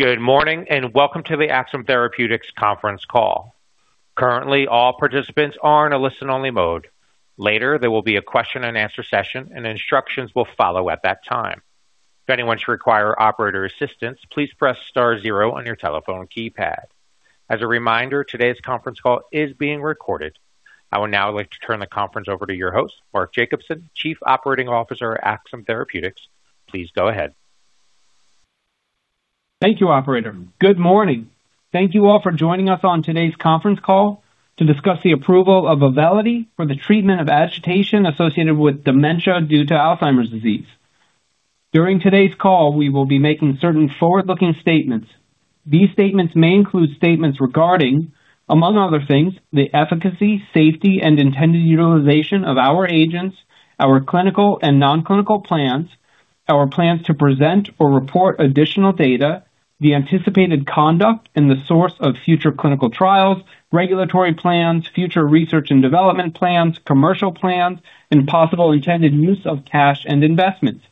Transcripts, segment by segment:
Good morning. Welcome to the Axsome Therapeutics Conference Call. Currently, all participants are in a listen-only mode. Later, there will be a question-and-answer session, and instructions will follow at that time. If anyone should require operator assistance, please press star zero on your telephone keypad. As a reminder, today's conference call is being recorded. I would now like to turn the conference over to your host, Mark Jacobson, Chief Operating Officer at Axsome Therapeutics. Please go ahead. Thank you, operator. Good morning. Thank you all for joining us on today's conference call to discuss the approval of AUVELITY for the treatment of agitation associated with dementia due to Alzheimer's disease. During today's call, we will be making certain forward-looking statements. These statements may include statements regarding, among other things, the efficacy, safety, and intended utilization of our agents, our clinical and non-clinical plans, our plans to present or report additional data, the anticipated conduct and the source of future clinical trials, regulatory plans, future research and development plans, commercial plans, and possible intended use of cash and investments.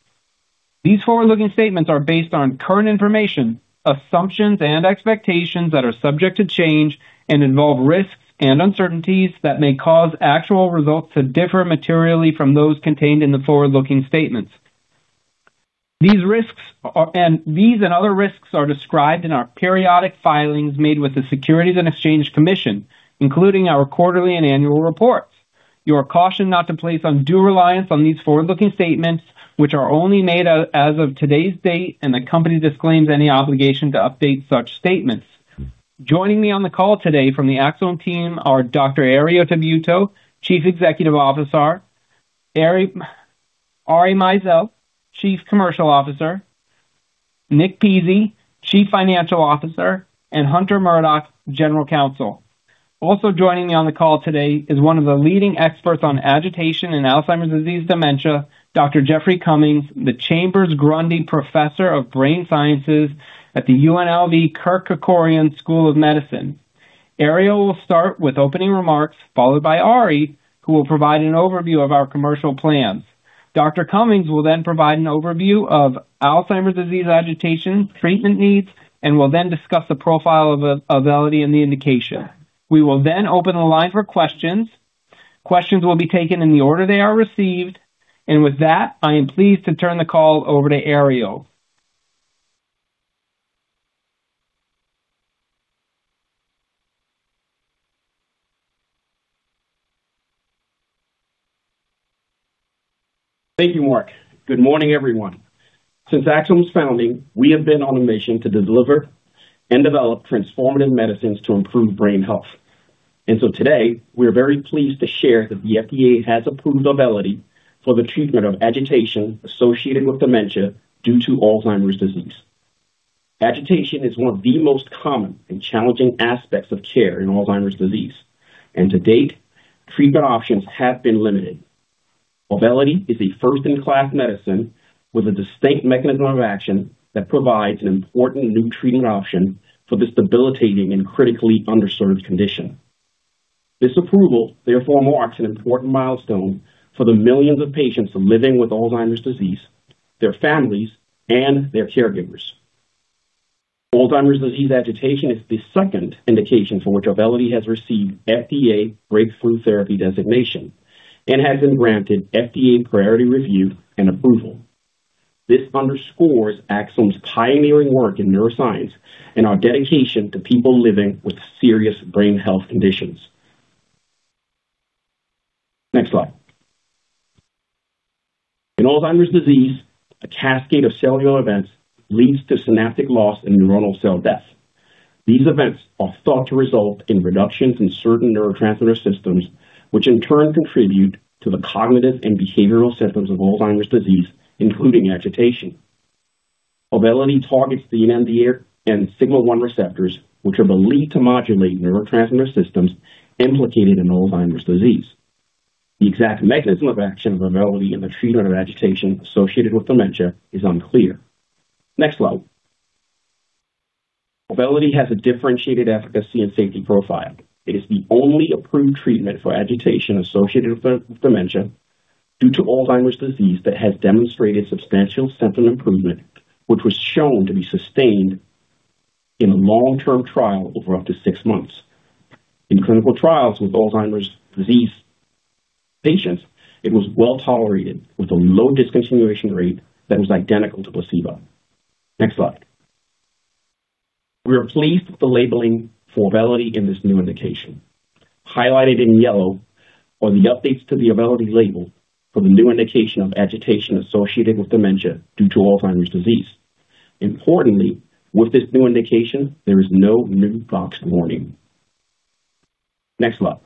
These forward-looking statements are based on current information, assumptions, and expectations that are subject to change and involve risks and uncertainties that may cause actual results to differ materially from those contained in the forward-looking statements. These and other risks are described in our periodic filings made with the Securities and Exchange Commission, including our quarterly and annual reports. You are cautioned not to place undue reliance on these forward-looking statements, which are only made as of today's date, and the company disclaims any obligation to update such statements. Joining me on the call today from the Axsome team are Dr. Herriot Tabuteau, Chief Executive Officer, Ari Maizel, Chief Commercial Officer, Nick Pizzie, Chief Financial Officer, and Hunter Murdock, General Counsel. Also joining me on the call today is one of the leading experts on agitation in Alzheimer's disease dementia, Dr. Jeffrey Cummings, the Chambers-Grundy Professor of Brain Sciences at the UNLV Kirk Kerkorian School of Medicine. Herriot will start with opening remarks, followed by Ari, who will provide an overview of our commercial plans. Dr. Cummings will then provide an overview of Alzheimer's disease agitation treatment needs and will then discuss the profile of AUVELITY and the indication. We will then open the line for questions. Questions will be taken in the order they are received. With that, I am pleased to turn the call over to Herriot. Thank you, Mark. Good morning, everyone. Since Axsome's founding, we have been on a mission to deliver and develop transformative medicines to improve brain health. Today, we are very pleased to share that the FDA has approved AUVELITY for the treatment of agitation associated with dementia due to Alzheimer's disease. Agitation is one of the most common and challenging aspects of care in Alzheimer's disease, and to date, treatment options have been limited. AUVELITY is a first-in-class medicine with a distinct mechanism of action that provides an important new treatment option for this debilitating and critically underserved condition. This approval therefore marks an important milestone for the millions of patients living with Alzheimer's disease, their families, and their caregivers. Alzheimer's disease agitation is the second indication for which AUVELITY has received FDA Breakthrough Therapy designation and has been granted FDA Priority Review and approval. This underscores Axsome's pioneering work in neuroscience and our dedication to people living with serious brain health conditions. Next slide. In Alzheimer's disease, a cascade of cellular events leads to synaptic loss and neuronal cell death. These events are thought to result in reductions in certain neurotransmitter systems, which in turn contribute to the cognitive and behavioral symptoms of Alzheimer's disease, including agitation. AUVELITY targets the mGluR and sigma-1 receptors, which are believed to modulate neurotransmitter systems implicated in Alzheimer's disease. The exact mechanism of action of AUVELITY in the treatment of agitation associated with dementia is unclear. Next slide. AUVELITY has a differentiated efficacy and safety profile. It is the only approved treatment for agitation associated with dementia due to Alzheimer's disease that has demonstrated substantial symptom improvement, which was shown to be sustained in a long-term trial over up to six months. In clinical trials with Alzheimer's disease patients, it was well-tolerated, with a low discontinuation rate that was identical to placebo. Next slide. We are pleased with the labeling for AUVELITY in this new indication. Highlighted in yellow are the updates to the AUVELITY label for the new indication of agitation associated with dementia due to Alzheimer's disease. Importantly, with this new indication, there is no new box warning. Next slide.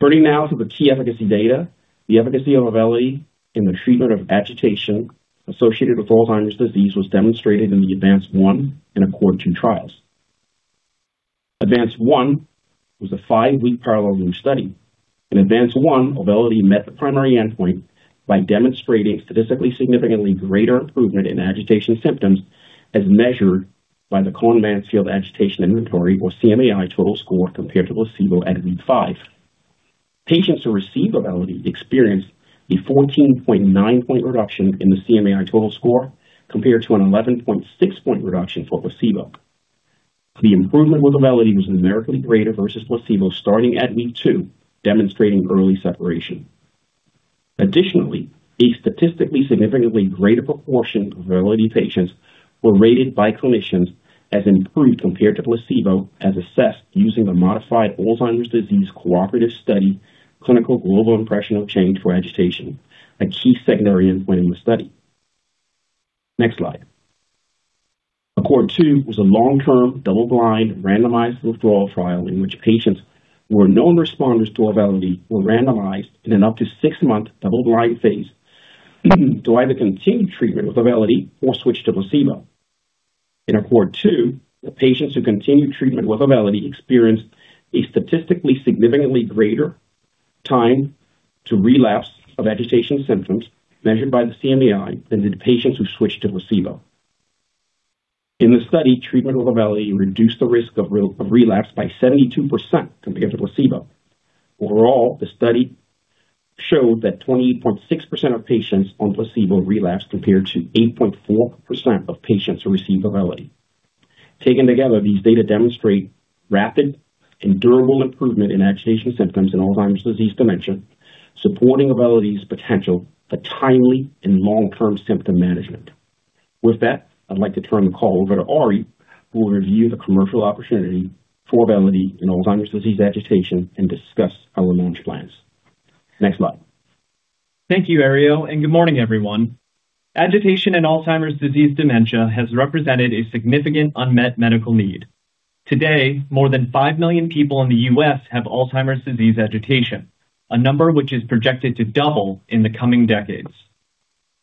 Turning now to the key efficacy data, the efficacy of AUVELITY in the treatment of agitation associated with Alzheimer's disease was demonstrated in the ADVANCE-1 and ACCORD-2 trials. ADVANCE-1 was a five-week parallel group study. In ADVANCE-1, AUVELITY met the primary endpoint by demonstrating statistically significantly greater improvement in agitation symptoms as measured by the Cohen-Mansfield Agitation Inventory, or CMAI, total score compared to placebo at week five. Patients who received AUVELITY experienced a 14.9 point reduction in the CMAI total score compared to an 11.6 point reduction for placebo. The improvement with AUVELITY was numerically greater versus placebo starting at week two, demonstrating early separation. Additionally, a statistically significantly greater proportion of AUVELITY patients were rated by clinicians as improved compared to placebo as assessed using a modified Alzheimer's Disease Cooperative Study-Clinical Global Impression of Change for agitation, a key secondary endpoint in the study. Next slide. ACCORD-2 was a long-term, double-blind, randomized withdrawal trial in which patients who were known responders to AUVELITY were randomized in an up to six-month double-blind phase to either continue treatment with AUVELITY or switch to placebo. In ACCORD-2, the patients who continued treatment with AUVELITY experienced a statistically significantly greater time to relapse of agitation symptoms measured by the CMAI than the patients who switched to placebo. In the study, treatment with AUVELITY reduced the risk of re-relapse by 72% compared to placebo. Overall, the study showed that 28.6% of patients on placebo relapsed compared to 8.4% of patients who received AUVELITY. Taken together, these data demonstrate rapid and durable improvement in agitation symptoms in Alzheimer's disease dementia, supporting AUVELITY's potential for timely and long-term symptom management. With that, I'd like to turn the call over to Ari, who will review the commercial opportunity for AUVELITY in Alzheimer's disease agitation and discuss our launch plans. Next slide. Thank you, Herriot, and good morning, everyone. Agitation in Alzheimer's disease dementia has represented a significant unmet medical need. Today, more than 5 million people in the U.S. have Alzheimer's disease agitation, a number which is projected to double in the coming decades.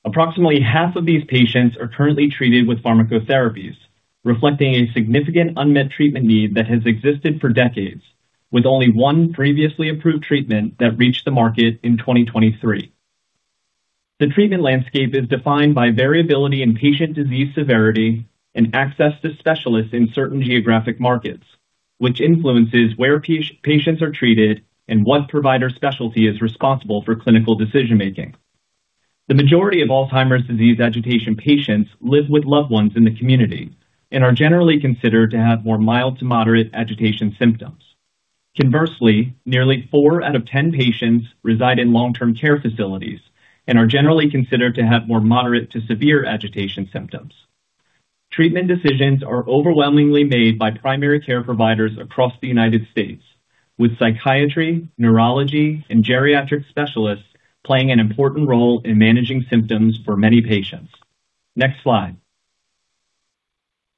Approximately half of these patients are currently treated with pharmacotherapies, reflecting a significant unmet treatment need that has existed for decades, with only one previously approved treatment that reached the market in 2023. The treatment landscape is defined by variability in patient disease severity and access to specialists in certain geographic markets, which influences where patients are treated and what provider specialty is responsible for clinical decision-making. The majority of Alzheimer's disease agitation patients live with loved ones in the community and are generally considered to have more mild to moderate agitation symptoms. Conversely, nearly four out of 10 patients reside in long-term care facilities and are generally considered to have more moderate to severe agitation symptoms. Treatment decisions are overwhelmingly made by primary care providers across the U.S., with psychiatry, neurology, and geriatric specialists playing an important role in managing symptoms for many patients. Next slide.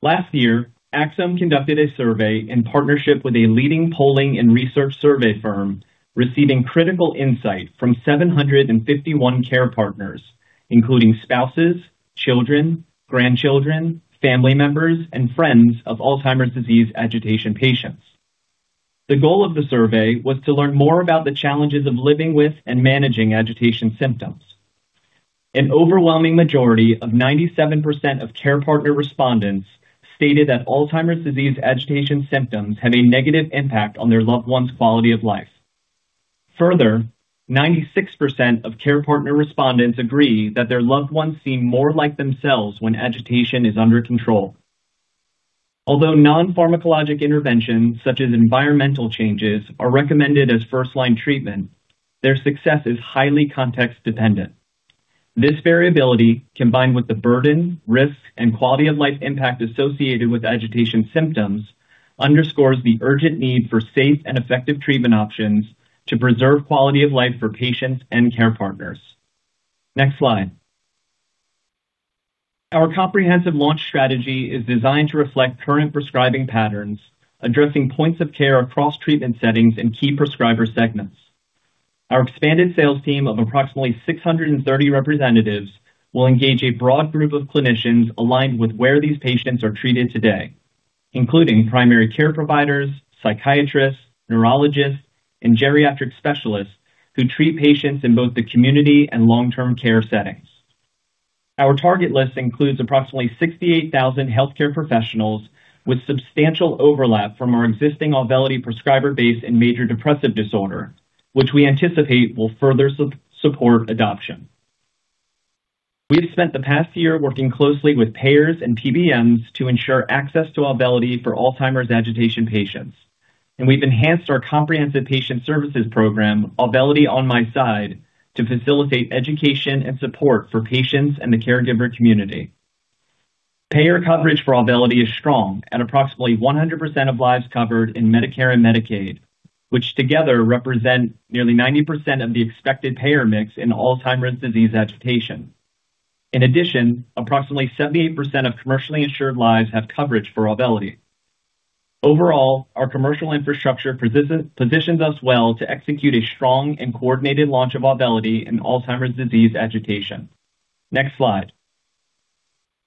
Last year, Axsome conducted a survey in partnership with a leading polling and research survey firm, receiving critical insight from 751 care partners, including spouses, children, grandchildren, family members, and friends of Alzheimer's disease agitation patients. The goal of the survey was to learn more about the challenges of living with and managing agitation symptoms. An overwhelming majority of 97% of care partner respondents stated that Alzheimer's disease agitation symptoms have a negative impact on their loved one's quality of life. Further, 96% of care partner respondents agree that their loved ones seem more like themselves when agitation is under control. Although non-pharmacologic interventions such as environmental changes are recommended as first-line treatment, their success is highly context-dependent. This variability, combined with the burden, risk, and quality-of-life impact associated with agitation symptoms, underscores the urgent need for safe and effective treatment options to preserve quality of life for patients and care partners. Next slide. Our comprehensive launch strategy is designed to reflect current prescribing patterns, addressing points of care across treatment settings and key prescriber segments. Our expanded sales team of approximately 630 representatives will engage a broad group of clinicians aligned with where these patients are treated today, including primary care providers, psychiatrists, neurologists, and geriatric specialists who treat patients in both the community and long-term care settings. Our target list includes approximately 68,000 healthcare professionals with substantial overlap from our existing AUVELITY prescriber base in major depressive disorder, which we anticipate will further support adoption. We've spent the past year working closely with payers and PBMs to ensure access to AUVELITY for Alzheimer's agitation patients, and we've enhanced our comprehensive patient services program, AUVELITY OnMySide, to facilitate education and support for patients and the caregiver community. Payer coverage for AUVELITY is strong at approximately 100% of lives covered in Medicare and Medicaid, which together represent nearly 90% of the expected payer mix in Alzheimer's disease agitation. In addition, approximately 78% of commercially insured lives have coverage for AUVELITY. Overall, our commercial infrastructure positions us well to execute a strong and coordinated launch of AUVELITY in Alzheimer's disease agitation. Next slide.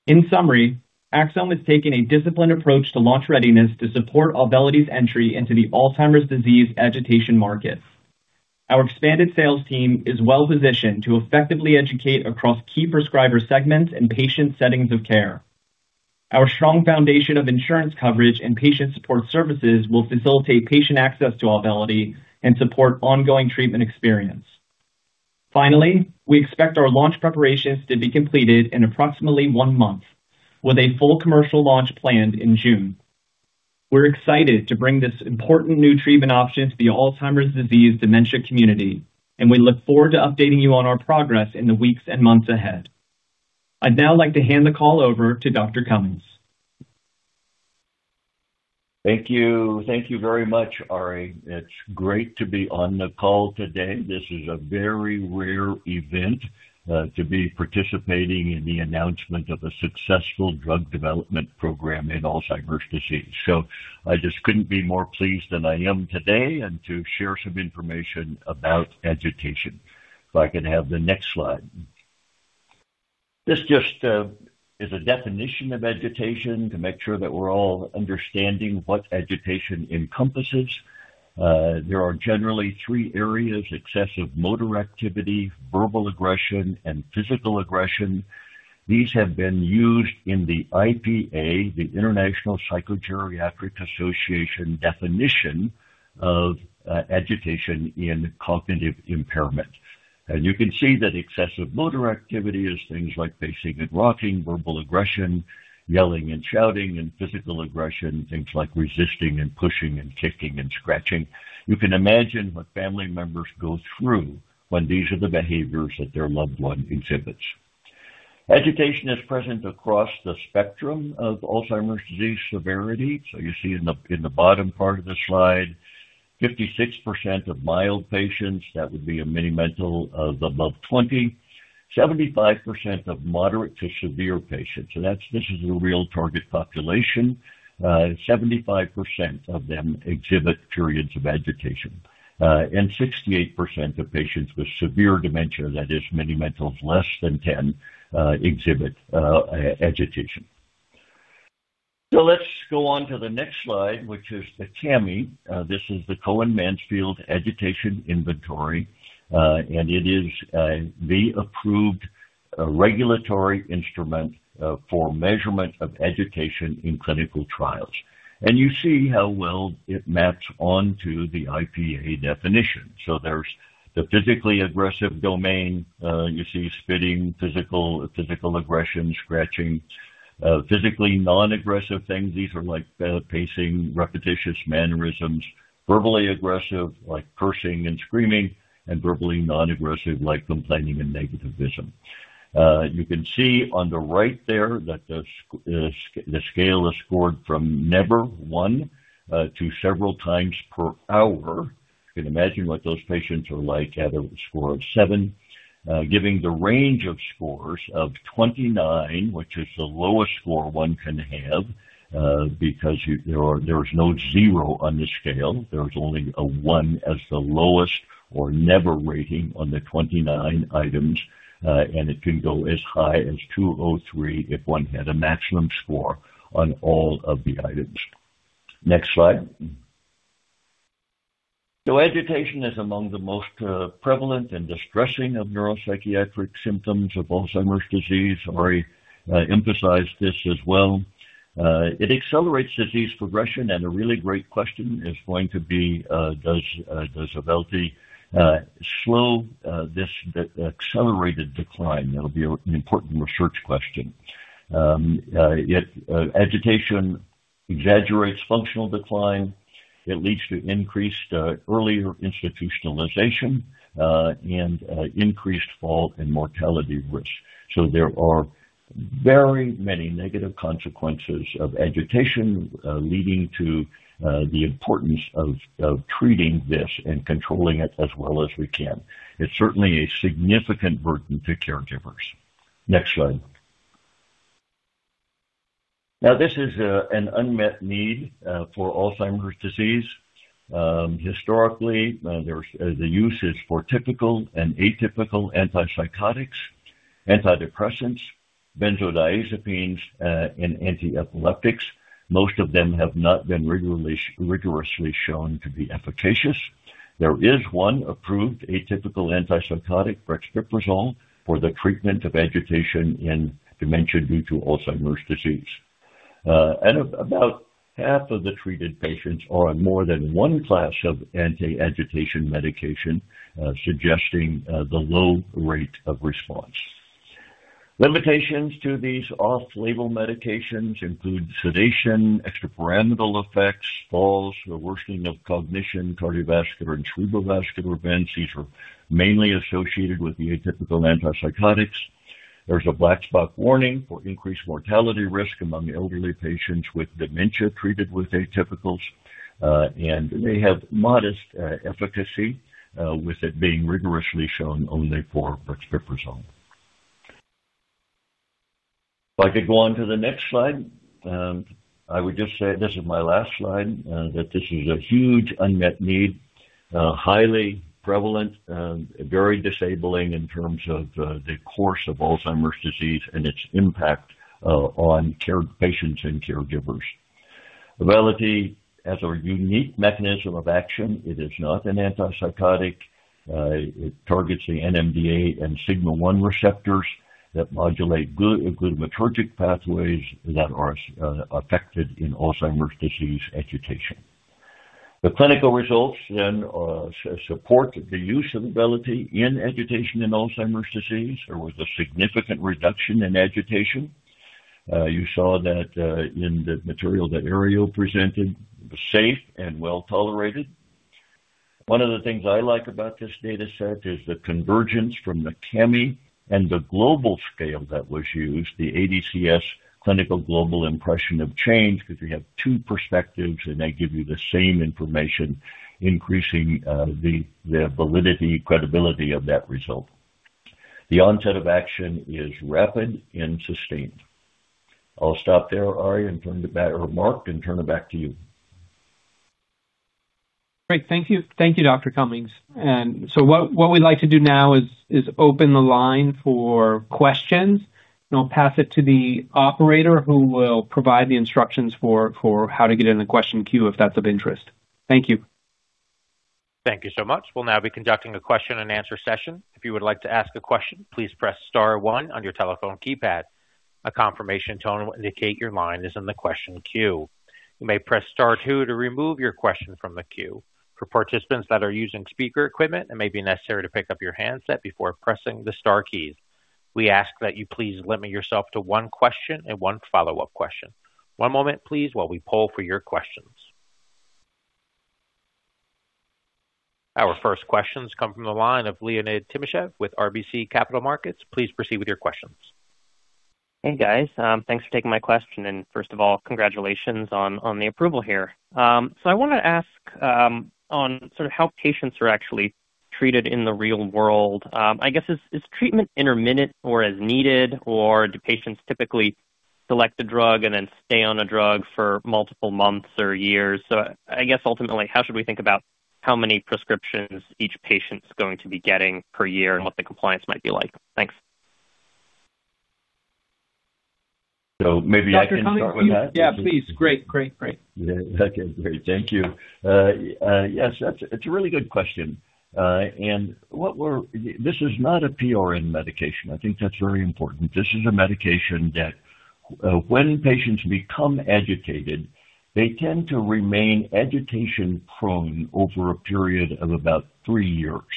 In summary, Axsome has taken a disciplined approach to launch readiness to support AUVELITY's entry into the Alzheimer's disease agitation markets. Our expanded sales team is well-positioned to effectively educate across key prescriber segments and patient settings of care. Our strong foundation of insurance coverage and patient support services will facilitate patient access to AUVELITY and support ongoing treatment experience. We expect our launch preparations to be completed in approximately one month with a full commercial launch planned in June. We're excited to bring this important new treatment option to the Alzheimer's disease dementia community, and we look forward to updating you on our progress in the weeks and months ahead. I'd now like to hand the call over to Dr. Cummings. Thank you. Thank you very much, Ari. It's great to be on the call today. This is a very rare event to be participating in the announcement of a successful drug development program in Alzheimer's disease. I just couldn't be more pleased than I am today and to share some information about agitation. If I could have the next slide. This just is a definition of agitation to make sure that we're all understanding what agitation encompasses. There are generally three areas: excessive motor activity, verbal aggression, and physical aggression. These have been used in the IPA, the International Psychogeriatric Association definition of agitation in cognitive impairment. You can see that excessive motor activity is things like pacing and rocking. Verbal aggression, yelling and shouting. Physical aggression, things like resisting and pushing and kicking and scratching. You can imagine what family members go through when these are the behaviors that their loved one exhibits. Agitation is present across the spectrum of Alzheimer's disease severity. You see in the, in the bottom part of the slide, 56% of mild patients, that would be a Mini-Mental of above 20. 75% of moderate to severe patients, this is the real target population. 75% of them exhibit periods of agitation. 68% of patients with severe dementia, that is Mini-Mental of less than 10, exhibit agitation. Let's go on to the next slide, which is the CMAI. This is the Cohen-Mansfield Agitation Inventory. It is the approved regulatory instrument for measurement of agitation in clinical trials. You see how well it maps onto the IPA definition. There's the physically aggressive domain, you see spitting, physical aggression, scratching. Physically non-aggressive things, these are like pacing, repetitious mannerisms. Verbally aggressive, like cursing and screaming. Verbally non-aggressive, like complaining and negativism. You can see on the right there that the scale is scored from never, one, to several times per hour. You can imagine what those patients are like at a score of seven. Giving the range of scores of 29, which is the lowest score one can have, because there is no zero on this scale. There is only a one as the lowest or never rating on the 29 items. And it can go as high as 203 if one had a maximum score on all of the items. Next slide. Agitation is among the most prevalent and distressing of neuropsychiatric symptoms of Alzheimer's disease. Ari emphasized this as well. It accelerates disease progression and a really great question is going to be, does AUVELITY slow this, the accelerated decline? That'll be an important research question. It agitation exaggerates functional decline. It leads to increased, earlier institutionalization, and increased fall and mortality risk. There are very many negative consequences of agitation, leading to the importance of treating this and controlling it as well as we can. It's certainly a significant burden to caregivers. Next slide. This is an unmet need for Alzheimer's disease. Historically, there's the usage for typical and atypical antipsychotics, antidepressants, benzodiazepines, and antiepileptics. Most of them have not been rigorously shown to be efficacious. There is one approved atypical antipsychotic, brexpiprazole, for the treatment of agitation in dementia due to Alzheimer's disease. About half of the treated patients are on more than one class of anti-agitation medication, suggesting the low rate of response. Limitations to these off-label medications include sedation, extrapyramidal effects, falls, the worsening of cognition, cardiovascular and cerebrovascular events. These are mainly associated with the atypical antipsychotics. There is a black box warning for increased mortality risk among elderly patients with dementia treated with atypicals. They have modest efficacy, with it being rigorously shown only for brexpiprazole. If I could go on to the next slide. I would just say this is my last slide, that this is a huge unmet need. Highly prevalent and very disabling in terms of the course of Alzheimer's disease and its impact on patients and caregivers. AUVELITY has a unique mechanism of action. It is not an antipsychotic. It targets the NMDA and sigma-1 receptors that modulate glutamatergic pathways that are affected in Alzheimer's disease agitation. The clinical results then support the use of AUVELITY in agitation in Alzheimer's disease. There was a significant reduction in agitation. You saw that in the material that Herriot presented. It was safe and well-tolerated. One of the things I like about this data set is the convergence from the CMAI and the global scale that was used, the ADCS Clinical Global Impression of Change, 'cause we have two perspectives, and they give you the same information, increasing the validity and credibility of that result. The onset of action is rapid and sustained. I'll stop there, Ari, and turn it back or Mark, and turn it back to you. Great. Thank you. Thank you, Dr. Cummings. What we'd like to do now is open the line for questions, and I'll pass it to the operator, who will provide the instructions for how to get in the question queue if that's of interest. Thank you. Thank you so much. We will now be conducting a question and answer session. If you would like to ask a question, please press star one on your telephone keypad. A confirmation tone will indicate your line is in the question queue. You may press star two to remove your question from the queue. For participants that are using speaker equipment, it may be necessary to pick up your handset before pressing the star keys. We ask that you please limit yourself to one question and one follow-up question. One moment, please, while we poll for your questions. Our first questions come from the line of Leonid Timashev with RBC Capital Markets. Please proceed with your questions. Hey, guys. thanks for taking my question, and first of all, congratulations on the approval here. I wanna ask on sort of how patients are actually treated in the real world. I guess, is treatment intermittent or as needed, or do patients typically select the drug and then stay on a drug for multiple months or years? I guess ultimately, how should we think about how many prescriptions each patient's going to be getting per year and what the compliance might be like? Thanks. Maybe I can start with that. Dr. Cummings? Yeah, please. Great. Great. Great. Yeah, okay. Great. Thank you. Yes, that's a really good question. This is not a PRN medication. I think that's very important. This is a medication that when patients become agitated, they tend to remain agitation-prone over a period of about three years.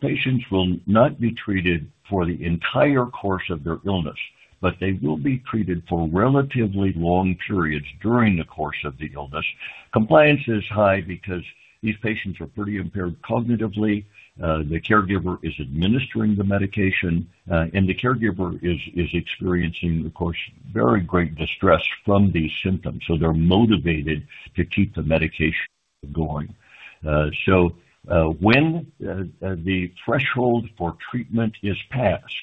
Patients will not be treated for the entire course of their illness, but they will be treated for relatively long periods during the course of the illness. Compliance is high because these patients are pretty impaired cognitively, the caregiver is administering the medication, and the caregiver is experiencing, of course, very great distress from these symptoms, so they're motivated to keep the medication going. When the threshold for treatment is passed,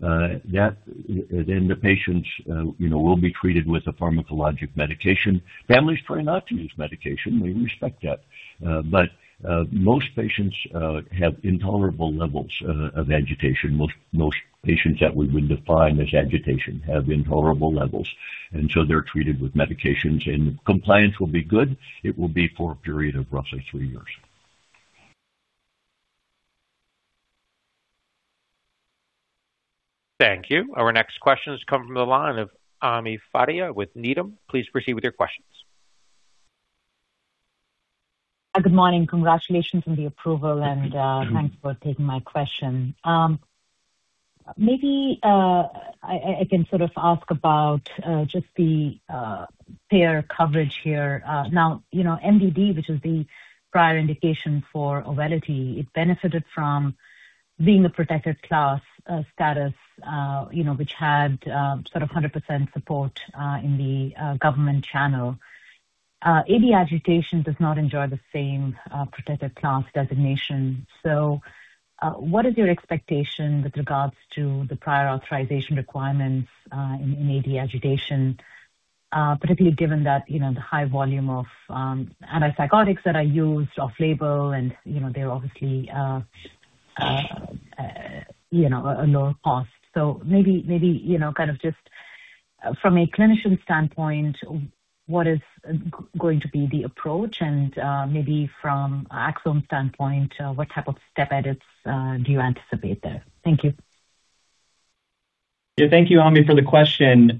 then the patients, you know, will be treated with a pharmacologic medication. Families try not to use medication. We respect that. Most patients have intolerable levels of agitation. Most patients that we would define as agitation have intolerable levels. They're treated with medications. Compliance will be good. It will be for a period of roughly three years. Thank you. Our next question has come from the line of Ami Fadia with Needham. Please proceed with your questions. Good morning. Congratulations on the approval, and thanks for taking my question. Maybe, I can sort of ask about just the payer coverage here. Now, you know, MDD, which was the prior indication for AUVELITY, it benefited from being a protected class status, you know, which had sort of 100% support in the government channel. AD agitation does not enjoy the same protected class designation. What is your expectation with regards to the prior authorization requirements in AD agitation, particularly given that, you know, the high volume of antipsychotics that are used off-label and, you know, they're obviously a lower cost. Maybe, you know, kind of just from a clinician standpoint, what is going to be the approach, and maybe from Axsome standpoint, what type of step edits do you anticipate there? Thank you. Yeah. Thank you, Ami, for the question.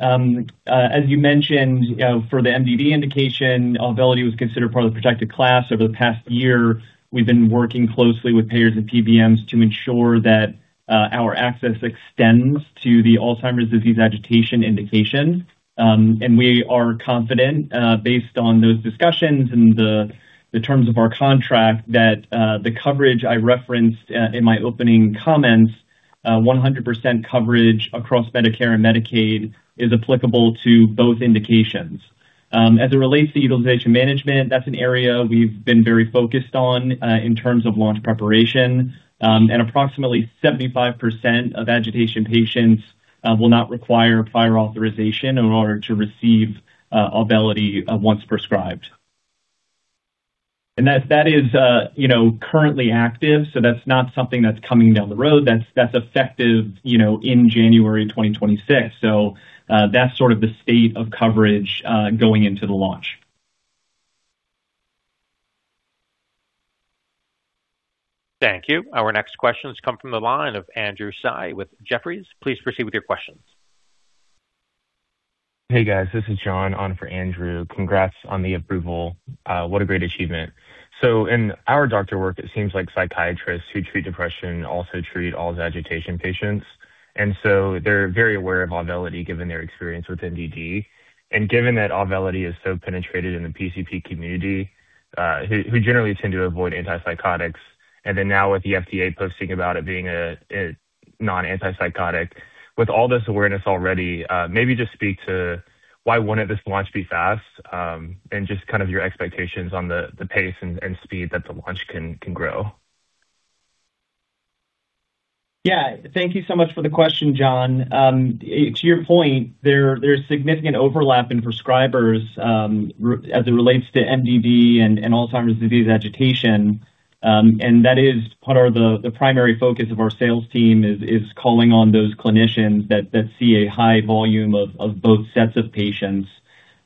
As you mentioned, for the MDD indication, Abilify was considered part of the protected class. Over the past year, we've been working closely with payers and PBMs to ensure that our access extends to the Alzheimer's disease agitation indication. We are confident, based on those discussions and the terms of our contract, that the coverage I referenced in my opening comments, 100% coverage across Medicare and Medicaid, is applicable to both indications. As it relates to utilization management, that's an area we've been very focused on in terms of launch preparation. Approximately 75% of agitation patients will not require prior authorization in order to receive Abilify once prescribed. That is, you know, currently active, so that is not something that is coming down the road. That is effective, you know, in January 2026. That is sort of the state of coverage, going into the launch. Thank you. Our next questions come from the line of Andrew Tsai with Jefferies. Please proceed with your questions. Hey, guys. This is John on for Andrew. Congrats on the approval. What a great achievement. In our doctor work, it seems like psychiatrists who treat depression also treat Alzheimer's agitation patients. They're very aware of AUVELITY given their experience with MDD. Given that AUVELITY is so penetrated in the PCP community, who generally tend to avoid antipsychotics, then now with the FDA posting about it being a non-antipsychotic, with all this awareness already, maybe just speak to why wouldn't this launch be fast, and just kind of your expectations on the pace and speed that the launch can grow. Yeah. Thank you so much for the question, John. To your point, there's significant overlap in prescribers as it relates to MDD and Alzheimer's disease agitation. That is part of the primary focus of our sales team is calling on those clinicians that see a high volume of both sets of patients.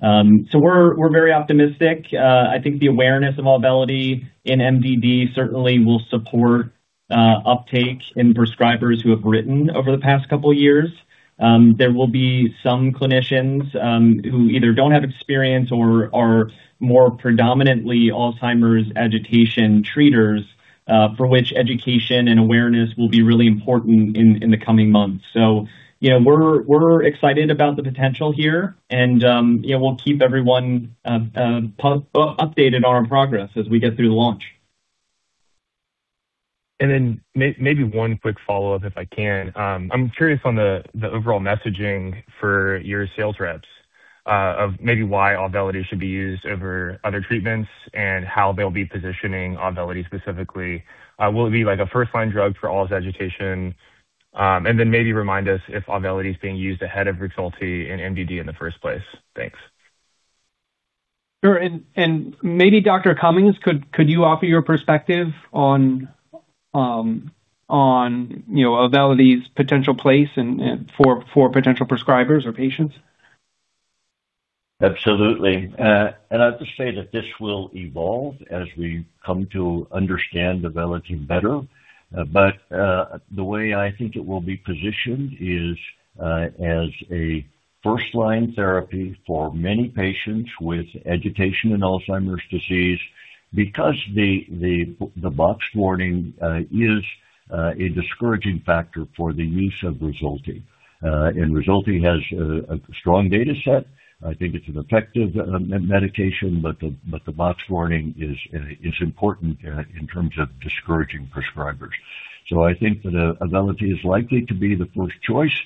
We're very optimistic. I think the awareness of AUVELITY in MDD certainly will support uptake in prescribers who have written over the past couple years. There will be some clinicians who either don't have experience or are more predominantly Alzheimer's agitation treaters, for which education and awareness will be really important in the coming months. You know, we're excited about the potential here and, you know, we'll keep everyone updated on our progress as we get through the launch. Maybe one quick follow-up if I can. I'm curious on the overall messaging for your sales reps of maybe why AUVELITY should be used over other treatments and how they'll be positioning AUVELITY specifically. Will it be like a first-line drug for Alz agitation? Maybe remind us if AUVELITY is being used ahead of REXULTI in MDD in the first place. Thanks. Sure. Maybe Dr. Cummings, could you offer your perspective on, you know, AUVELITY's potential place and for potential prescribers or patients? Absolutely. I'll just say that this will evolve as we come to understand AUVELITY better. The way I think it will be positioned is as a first-line therapy for many patients with agitation and Alzheimer's disease because the box warning is a discouraging factor for the use of REXULTI. REXULTI has a strong data set. I think it's an effective medication, but the box warning is important in terms of discouraging prescribers. I think that AUVELITY is likely to be the first choice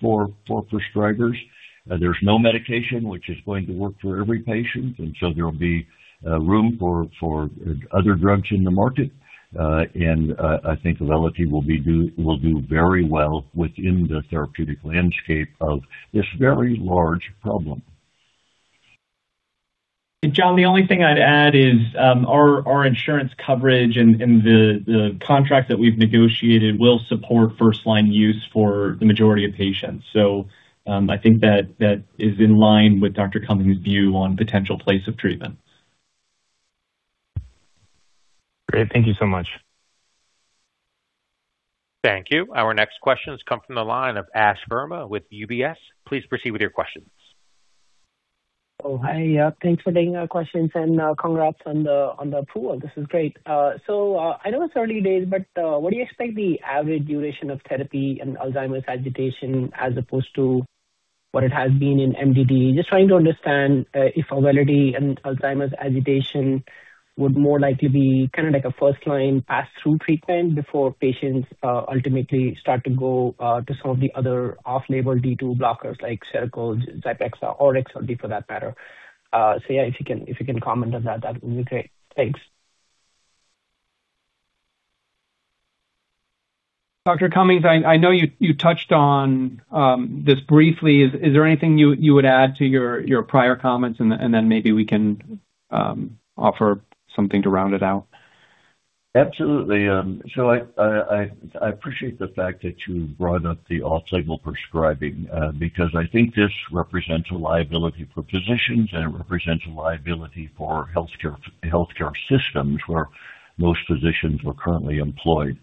for prescribers. There's no medication which is going to work for every patient, and so there'll be room for other drugs in the market. I think AUVELITY will do very well within the therapeutic landscape of this very large problem. John, the only thing I'd add is our insurance coverage and the contract that we've negotiated will support first-line use for the majority of patients. I think that is in line with Dr. Cummings' view on potential place of treatment. Great. Thank you so much. Thank you. Our next questions come from the line of Ash Verma with UBS. Please proceed with your questions. Oh, hey. Yeah, thanks for taking our questions, and congrats on the approval. This is great. I know it's early days, but what do you expect the average duration of therapy in Alzheimer's agitation as opposed to what it has been in MDD? Just trying to understand if AUVELITY in Alzheimer's agitation would more likely be kind of like a first-line pass-through treatment before patients ultimately start to go to some of the other off-label D2 blockers like Seroquel, Zyprexa, or REXULTI for that matter. If you can comment on that would be great. Thanks. Dr. Cummings, I know you touched on this briefly. Is there anything you would add to your prior comments? Then maybe we can offer something to round it out. Absolutely. I appreciate the fact that you brought up the off-label prescribing, because I think this represents a liability for physicians, and it represents a liability for healthcare systems where most physicians are currently employed.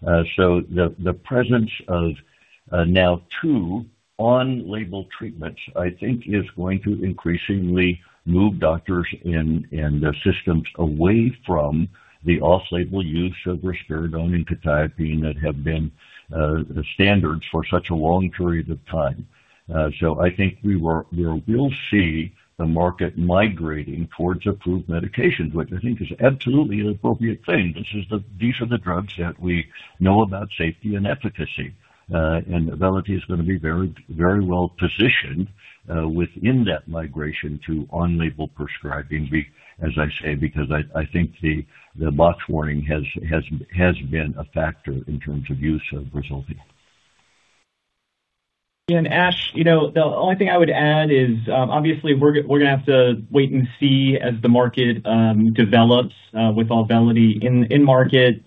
The presence of now two on-label treatments, I think, is going to increasingly move doctors and the systems away from the off-label use of risperidone and quetiapine that have been the standards for such a long period of time. I think we will see the market migrating towards approved medications, which I think is absolutely an appropriate thing. These are the drugs that we know about safety and efficacy. AUVELITY is gonna be very, very well positioned within that migration to on-label prescribing as I say because I think the box warning has been a factor in terms of use of REXULTI. Ash, you know, the only thing I would add is obviously we're gonna have to wait and see as the market develops with AUVELITY in market.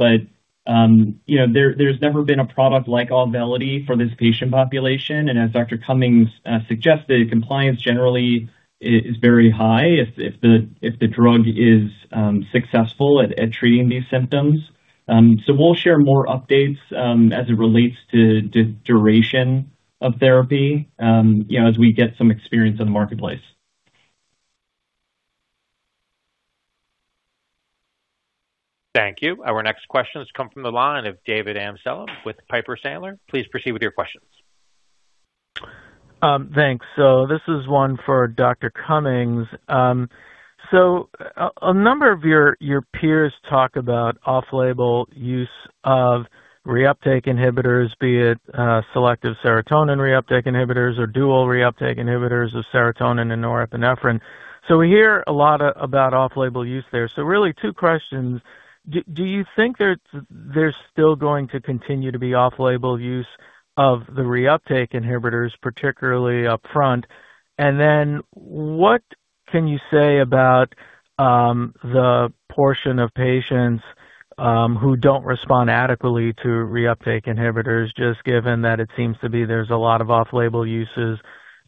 you know, there's never been a product like AUVELITY for this patient population. As Dr. Cummings suggested, compliance generally is very high if the drug is successful at treating these symptoms. we'll share more updates as it relates to duration of therapy, you know, as we get some experience in the marketplace. Thank you. Our next question has come from the line of David Amsellem with Piper Sandler. Please proceed with your questions. Thanks. This is one for Dr. Cummings. A number of your peers talk about off-label use of reuptake inhibitors, be it, selective serotonin reuptake inhibitors or dual reuptake inhibitors of serotonin and norepinephrine. We hear a lot about off-label use there. Really two questions. Do you think there's still going to continue to be off-label use of the reuptake inhibitors, particularly upfront? And then what can you say about the portion of patients who don't respond adequately to reuptake inhibitors, just given that it seems to be there's a lot of off-label uses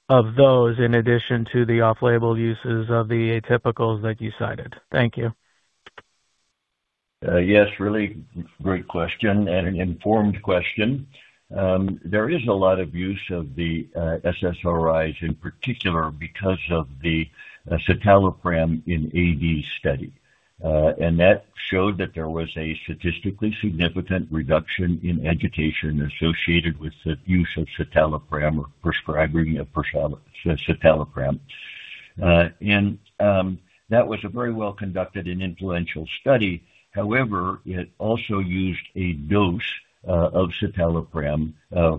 of those in addition to the off-label uses of the atypicals that you cited? Thank you. Yes, really great question and an informed question. There is a lot of use of the SSRIs in particular because of the citalopram in AD study. That showed that there was a statistically significant reduction in agitation associated with the use of citalopram or prescribing of citalopram. That was a very well conducted and influential study. However, it also used a dose of citalopram,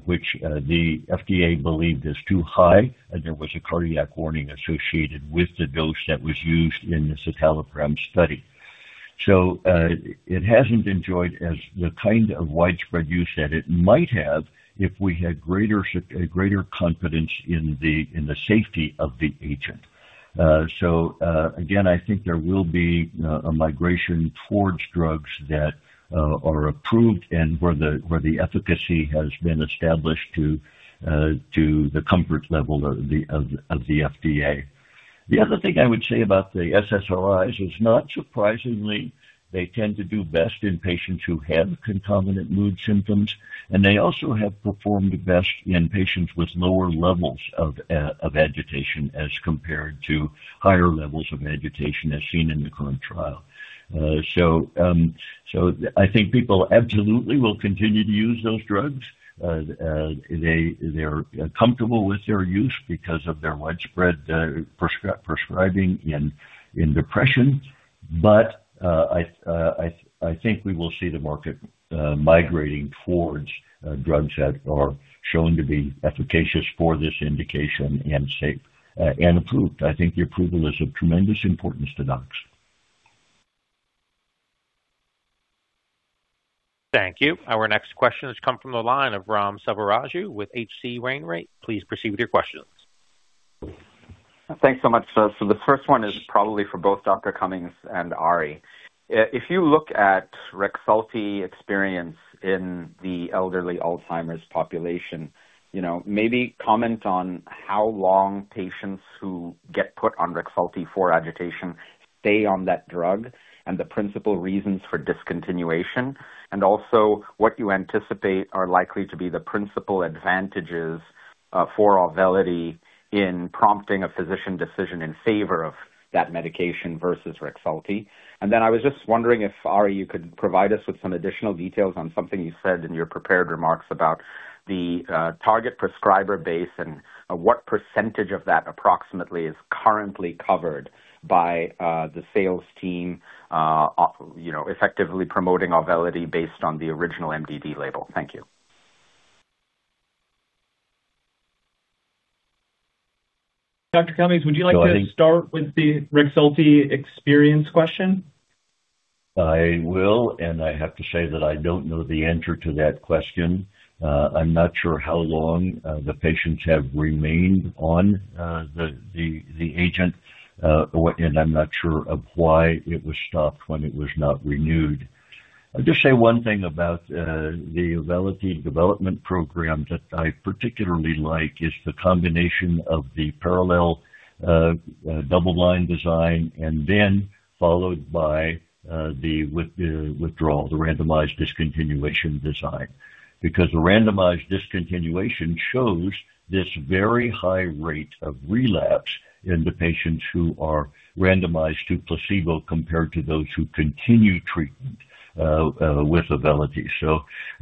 which the FDA believed is too high, and there was a cardiac warning associated with the dose that was used in the citalopram study. It hasn't enjoyed as the kind of widespread use that it might have if we had greater confidence in the safety of the agent. Again, I think there will be a migration towards drugs that are approved and where the efficacy has been established to the comfort level of the FDA. The other thing I would say about the SSRIs is not surprisingly, they tend to do best in patients who have concomitant mood symptoms, and they also have performed best in patients with lower levels of agitation as compared to higher levels of agitation as seen in the current trial. I think people absolutely will continue to use those drugs. They're comfortable with their use because of their widespread prescribing in depression. I think we will see the market migrating towards drugs that are shown to be efficacious for this indication and safe and approved. I think the approval is of tremendous importance to docs. Thank you. Our next question has come from the line of Ram Selvaraju with H.C. Wainwright. Please proceed with your questions. Thanks so much. So the first one is probably for both Dr. Cummings and Ari. If you look at REXULTI experience in the elderly Alzheimer's population, you know, maybe comment on how long patients who get put on REXULTI for agitation stay on that drug and the principal reasons for discontinuation. Also what you anticipate are likely to be the principal advantages for AUVELITY in prompting a physician decision in favor of that medication versus REXULTI. Then I was just wondering if, Ari, you could provide us with some additional details on something you said in your prepared remarks about the target prescriber base and what percentage of that approximately is currently covered by the sales team of, you know, effectively promoting AUVELITY based on the original MDD label. Thank you. Dr. Cummings, would you like to start with the REXULTI experience question? I will. I have to say that I don't know the answer to that question. I'm not sure how long the patients have remained on the agent. I'm not sure of why it was stopped when it was not renewed. I'll just say one thing about the AUVELITY development program that I particularly like is the combination of the parallel double-blind design followed by the withdrawal, the randomized discontinuation design. The randomized discontinuation shows this very high rate of relapse in the patients who are randomized to placebo compared to those who continue treatment with AUVELITY.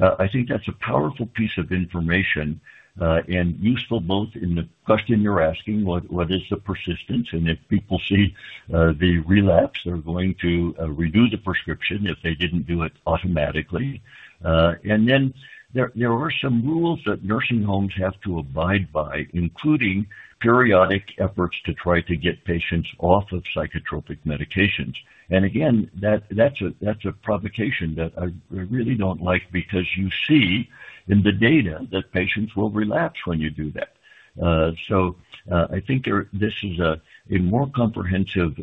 I think that's a powerful piece of information and useful both in the question you're asking, what is the persistence? If people see the relapse, they're going to renew the prescription if they didn't do it automatically. Then there are some rules that nursing homes have to abide by, including periodic efforts to try to get patients off of psychotropic medications. Again, that's a provocation that I really don't like because you see in the data that patients will relapse when you do that. I think this is a more comprehensive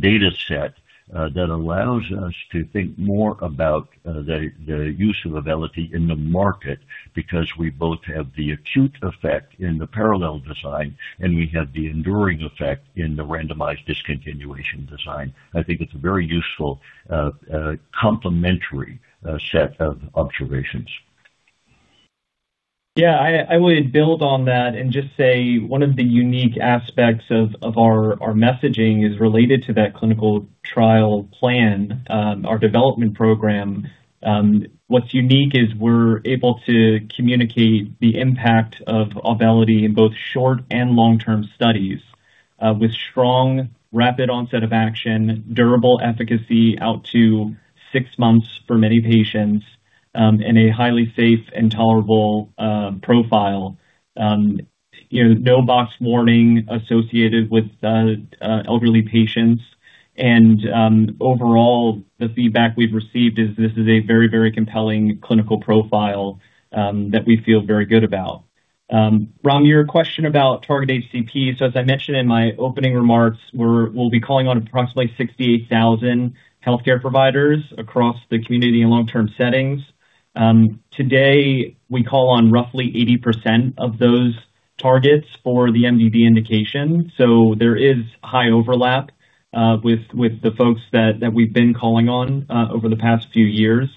data set that allows us to think more about the use of AUVELITY in the market because we both have the acute effect in the parallel design, and we have the enduring effect in the randomized discontinuation design. I think it's a very useful complementary set of observations. Yeah, I would build on that and just say one of the unique aspects of our messaging is related to that clinical trial plan, our development program. What's unique is we're able to communicate the impact of AUVELITY in both short- and long-term studies, with strong, rapid onset of action, durable efficacy out to six months for many patients, and a highly safe and tolerable profile. You know, no box warning associated with elderly patients. Overall, the feedback we've received is this is a very, very compelling clinical profile that we feel very good about. Ram, your question about target HCPs. As I mentioned in my opening remarks, we'll be calling on approximately 68,000 healthcare providers across the community and long-term settings. Today, we call on roughly 80% of those targets for the MDD indication. There is high overlap with the folks that we've been calling on over the past few years.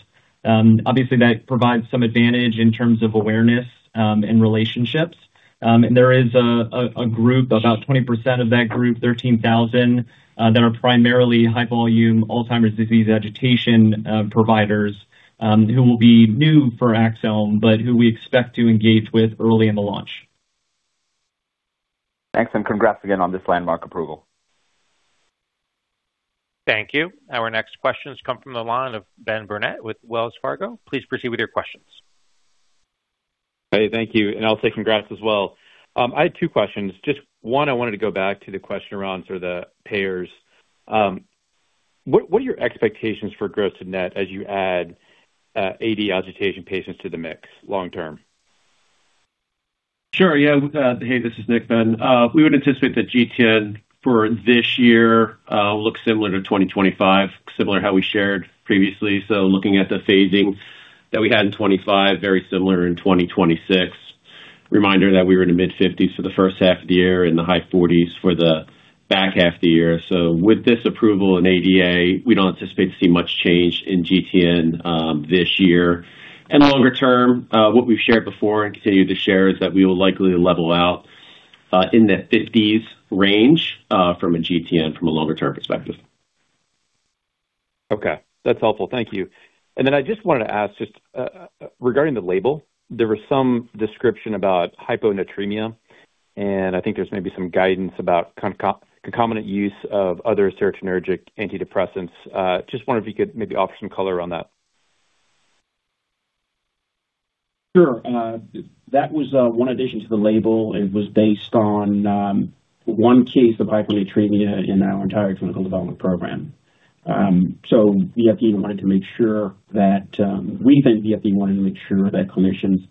Obviously, that provides some advantage in terms of awareness and relationships. There is a group, about 20% of that group, 13,000, that are primarily high volume Alzheimer's disease agitation providers, who will be new for Axsome, but who we expect to engage with early in the launch. Thanks. Congrats again on this landmark approval. Thank you. Our next questions come from the line of Ben Burnett with Wells Fargo. Please proceed with your questions. Hey, thank you, and I'll say congrats as well. I had two questions. Just one, I wanted to go back to the question around sort of the payers. What are your expectations for gross net as you add AD agitation patients to the mix long term? Sure, yeah. Hey, this is Nick, Ben. We would anticipate that GTN for this year will look similar to 2025, similar how we shared previously. Looking at the phasing that we had in 2025, very similar in 2026. Reminder that we were in the mid-50s for the first half of the year and the high 40s for the back half of the year. With this approval in ADA, we don't anticipate to see much change in GTN this year. Longer term, what we've shared before and continue to share is that we will likely level out in the 50s range from a GTN from a longer-term perspective. Okay. That's helpful. Thank you. I just wanted to ask just regarding the label, there was some description about hyponatremia, and I think there's maybe some guidance about concomitant use of other serotonergic antidepressants. Just wonder if you could maybe offer some color on that? Sure. That was one addition to the label. It was based on one case of hyponatremia in our entire clinical development program. The FDA wanted to make sure that we think the FDA wanted to make sure that clinicians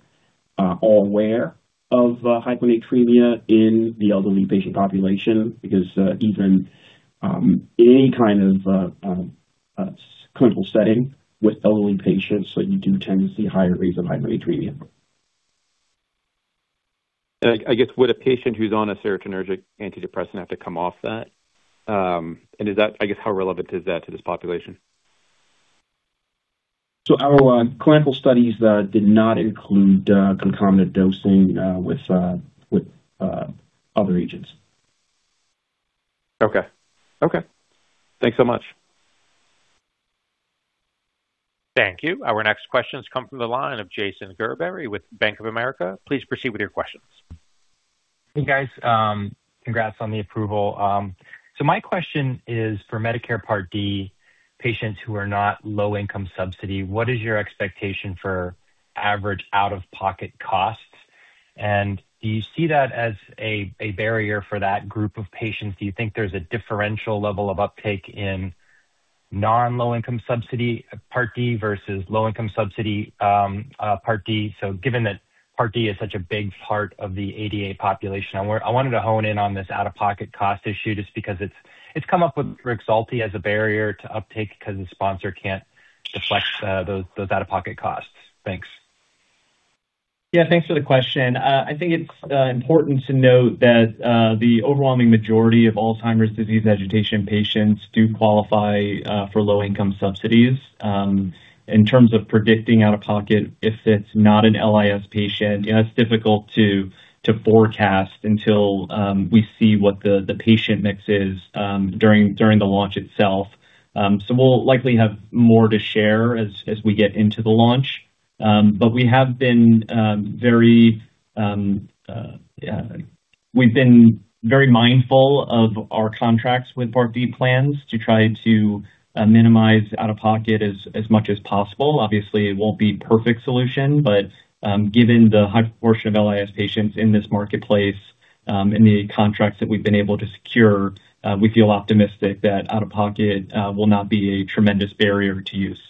are aware of hyponatremia in the elderly patient population because even any kind of clinical setting with elderly patients, you do tend to see higher rates of hyponatremia. I guess, would a patient who's on a serotonergic antidepressant have to come off that? I guess, how relevant is that to this population? Our clinical studies did not include concomitant dosing with other agents. Okay. Okay. Thanks so much. Thank you. Our next questions come from the line of Jason Gerberry with Bank of America. Please proceed with your questions. Hey, guys. Congrats on the approval. My question is for Medicare Part D patients who are not low income subsidy, what is your expectation for average out-of-pocket costs? Do you see that as a barrier for that group of patients? Do you think there's a differential level of uptake in non-low-income subsidy Part D versus low-income subsidy Part D? Given that Part D is such a big part of the ADA population, I wanted to hone in on this out-of-pocket cost issue just because it's come up with REXULTI as a barrier to uptake because the sponsor can't deflect those out-of-pocket costs. Thanks. Yeah. Thanks for the question. I think it's important to note that the overwhelming majority of Alzheimer's disease agitation patients do qualify for low income subsidies. In terms of predicting out-of-pocket, if it's not an LIS patient, yeah, it's difficult to forecast until we see what the patient mix is during the launch itself. We'll likely have more to share as we get into the launch. We've been very mindful of our contracts with Part D plans to try to minimize out-of-pocket as much as possible. Obviously, it won't be a perfect solution, but given the high proportion of LIS patients in this marketplace, and the contracts that we've been able to secure, we feel optimistic that out-of-pocket will not be a tremendous barrier to use.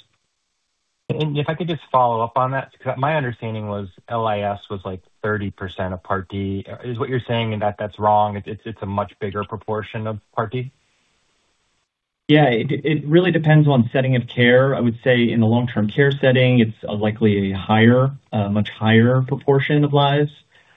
If I could just follow up on that, 'cause my understanding was LIS was, like, 30% of Part D. Is what you're saying in that that's wrong, it's a much bigger proportion of Part D? It really depends on setting of care. I would say in the long-term care setting, it's likely a higher, much higher proportion of lives.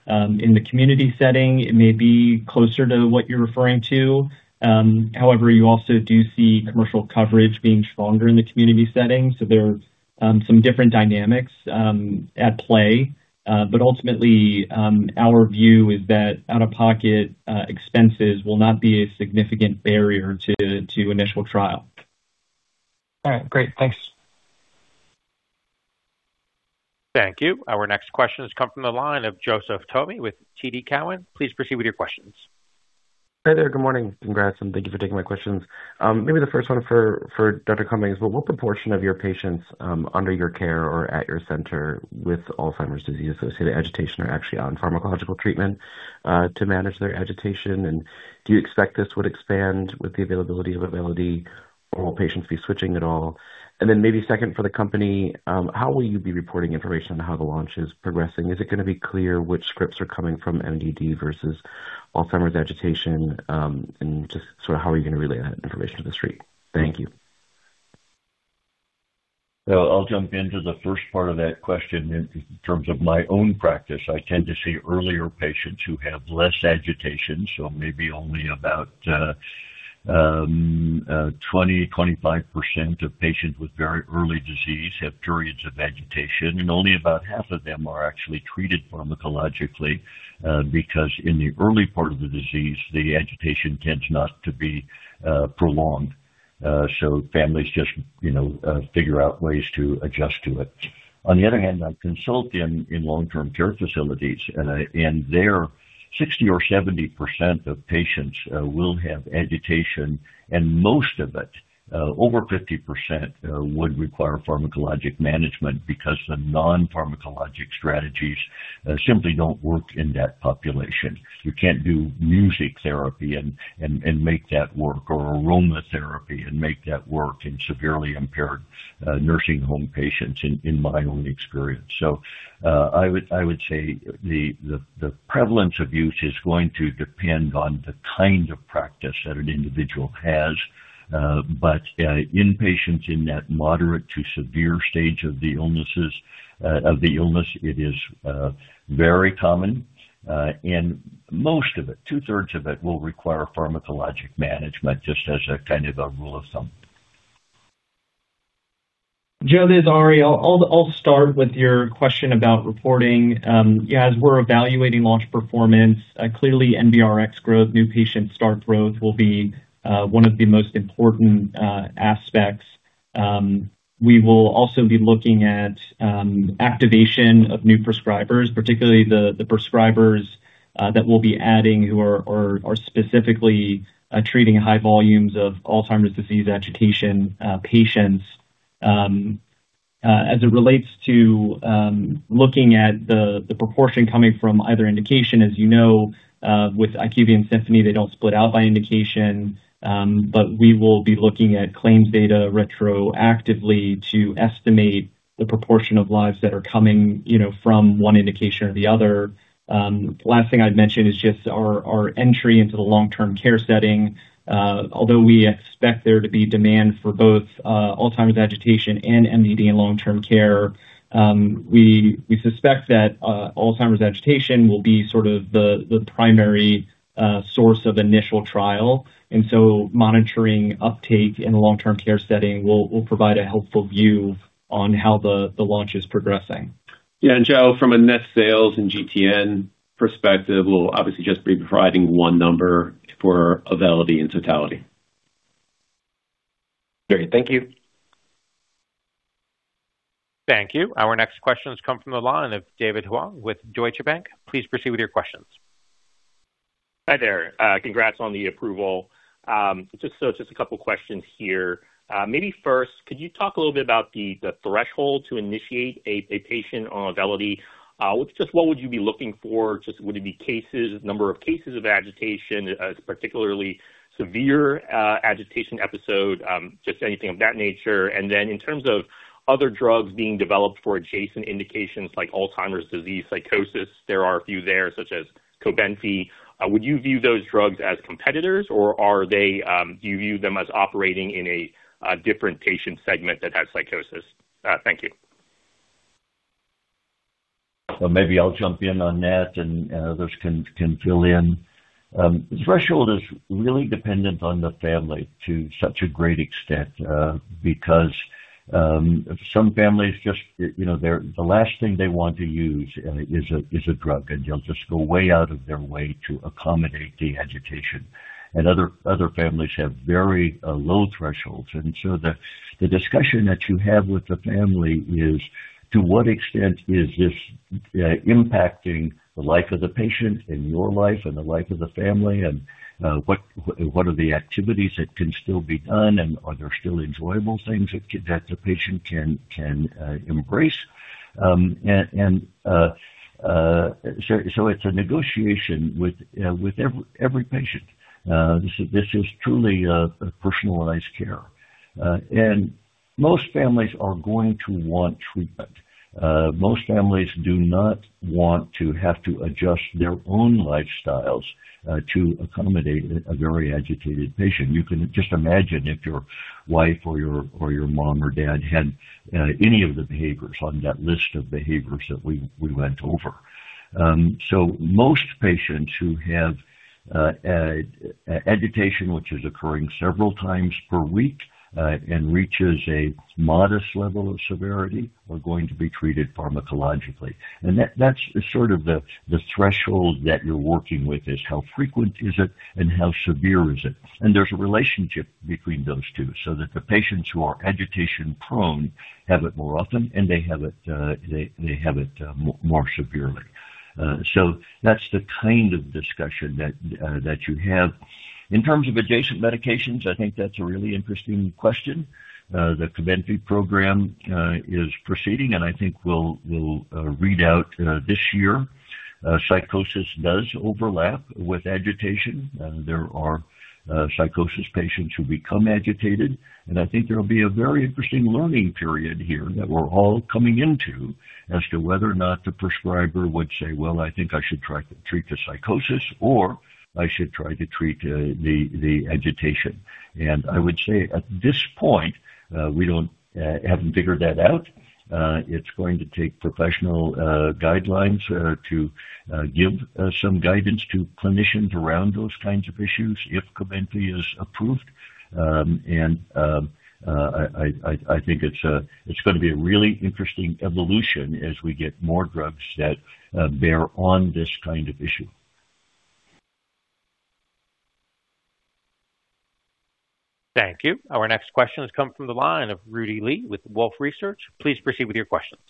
In the community setting, it may be closer to what you're referring to. However, you also do see commercial coverage being stronger in the community setting, so there are some different dynamics at play. Ultimately, our view is that out-of-pocket expenses will not be a significant barrier to initial trial. All right. Great. Thanks. Thank you. Our next question has come from the line of Joseph Thome with TD Cowen. Please proceed with your questions. Hi there. Good morning. Congrats, and thank you for taking my questions. Maybe the first one for Dr. Cummings. What proportion of your patients, under your care or at your center with Alzheimer's disease associated agitation are actually on pharmacological treatment, to manage their agitation? Do you expect this would expand with the availability of AUVELITY, or will patients be switching at all? Then maybe second for the company, how will you be reporting information on how the launch is progressing? Is it gonna be clear which scripts are coming from MDD versus Alzheimer's agitation? Just sort of how are you gonna relay that information to the street? Thank you. I'll jump into the first part of that question. In terms of my own practice, I tend to see earlier patients who have less agitation, maybe only about 20%, 25% of patients with very early disease have periods of agitation, and only about half of them are actually treated pharmacologically. Because in the early part of the disease, the agitation tends not to be prolonged. Families just, you know, figure out ways to adjust to it. On the other hand, I consult in long-term care facilities, and there 60% or 70% of patients will have agitation, and most of it, over 50%, would require pharmacologic management because the non-pharmacologic strategies simply don't work in that population. You can't do music therapy and make that work or aromatherapy and make that work in severely impaired nursing home patients, in my own experience. I would say the prevalence of use is going to depend on the kind of practice that an individual has. In patients in that moderate to severe stage of the illness, it is very common. Most of it, 2/3 of it will require pharmacologic management, just as a kind of a rule of thumb. Joe, this is Ari. I'll start with your question about reporting. Yeah, as we're evaluating launch performance, clearly NBRx growth, new patient start growth will be one of the most important aspects. We will also be looking at activation of new prescribers, particularly the prescribers that we'll be adding who are specifically treating high volumes of Alzheimer's disease agitation patients. As it relates to looking at the proportion coming from either indication, as you know, with IQVIA and Symphony, they don't split out by indication. We will be looking at claims data retroactively to estimate the proportion of lives that are coming, you know, from one indication or the other. Last thing I'd mention is just our entry into the long-term care setting. Although we expect there to be demand for both Alzheimer's agitation and MDD in long-term care, we suspect that Alzheimer's agitation will be sort of the primary source of initial trial. Monitoring uptake in the long-term care setting will provide a helpful view on how the launch is progressing. Yeah. Joe, from a net sales and GTN perspective, we'll obviously just be providing one number for AUVELITY in totality. Great. Thank you. Thank you. Our next question has come from the line of David Huang with Deutsche Bank. Please proceed with your questions. Hi there. Congrats on the approval. Just a couple questions here. Maybe first, could you talk a little bit about the threshold to initiate a patient on AUVELITY? What would you be looking for? Would it be cases, number of cases of agitation, a particularly severe agitation episode? Just anything of that nature. Then in terms of other drugs being developed for adjacent indications like Alzheimer's disease psychosis, there are a few there, such as COBENFY. Would you view those drugs as competitors, or are they, do you view them as operating in a different patient segment that has psychosis? Thank you. Well, maybe I'll jump in on that, and others can fill in. The threshold is really dependent on the family to such a great extent, because, some families just, you know, the last thing they want to use is a drug, and they'll just go way out of their way to accommodate the agitation. Other families have very low thresholds. The discussion that you have with the family is to what extent is this impacting the life of the patient and your life and the life of the family, and what are the activities that can still be done, and are there still enjoyable things that the patient can embrace? So it's a negotiation with every patient. This is, this is truly personalized care. Most families are going to want treatment. Most families do not want to have to adjust their own lifestyles to accommodate a very agitated patient. You can just imagine if your wife or your, or your mom or dad had any of the behaviors on that list of behaviors that we went over. Most patients who have agitation, which is occurring several times per week, and reaches a modest level of severity, are going to be treated pharmacologically. That's sort of the threshold that you're working with, is how frequent is it and how severe is it. There's a relationship between those two, so that the patients who are agitation-prone have it more often, and they have it more severely. That's the kind of discussion that you have. In terms of adjacent medications, I think that's a really interesting question. The COBENFY program is proceeding, and I think we'll read out this year. Psychosis does overlap with agitation. There are psychosis patients who become agitated. I think there'll be a very interesting learning period here that we're all coming into as to whether or not the prescriber would say, "Well, I think I should try to treat the psychosis," or, "I should try to treat the agitation." I would say, at this point, we haven't figured that out. It's going to take professional guidelines to give some guidance to clinicians around those kinds of issues if COBENFY is approved. I think it's gonna be a really interesting evolution as we get more drugs that bear on this kind of issue. Thank you. Our next question has come from the line of Rudy Li with Wolfe Research. Please proceed with your questions.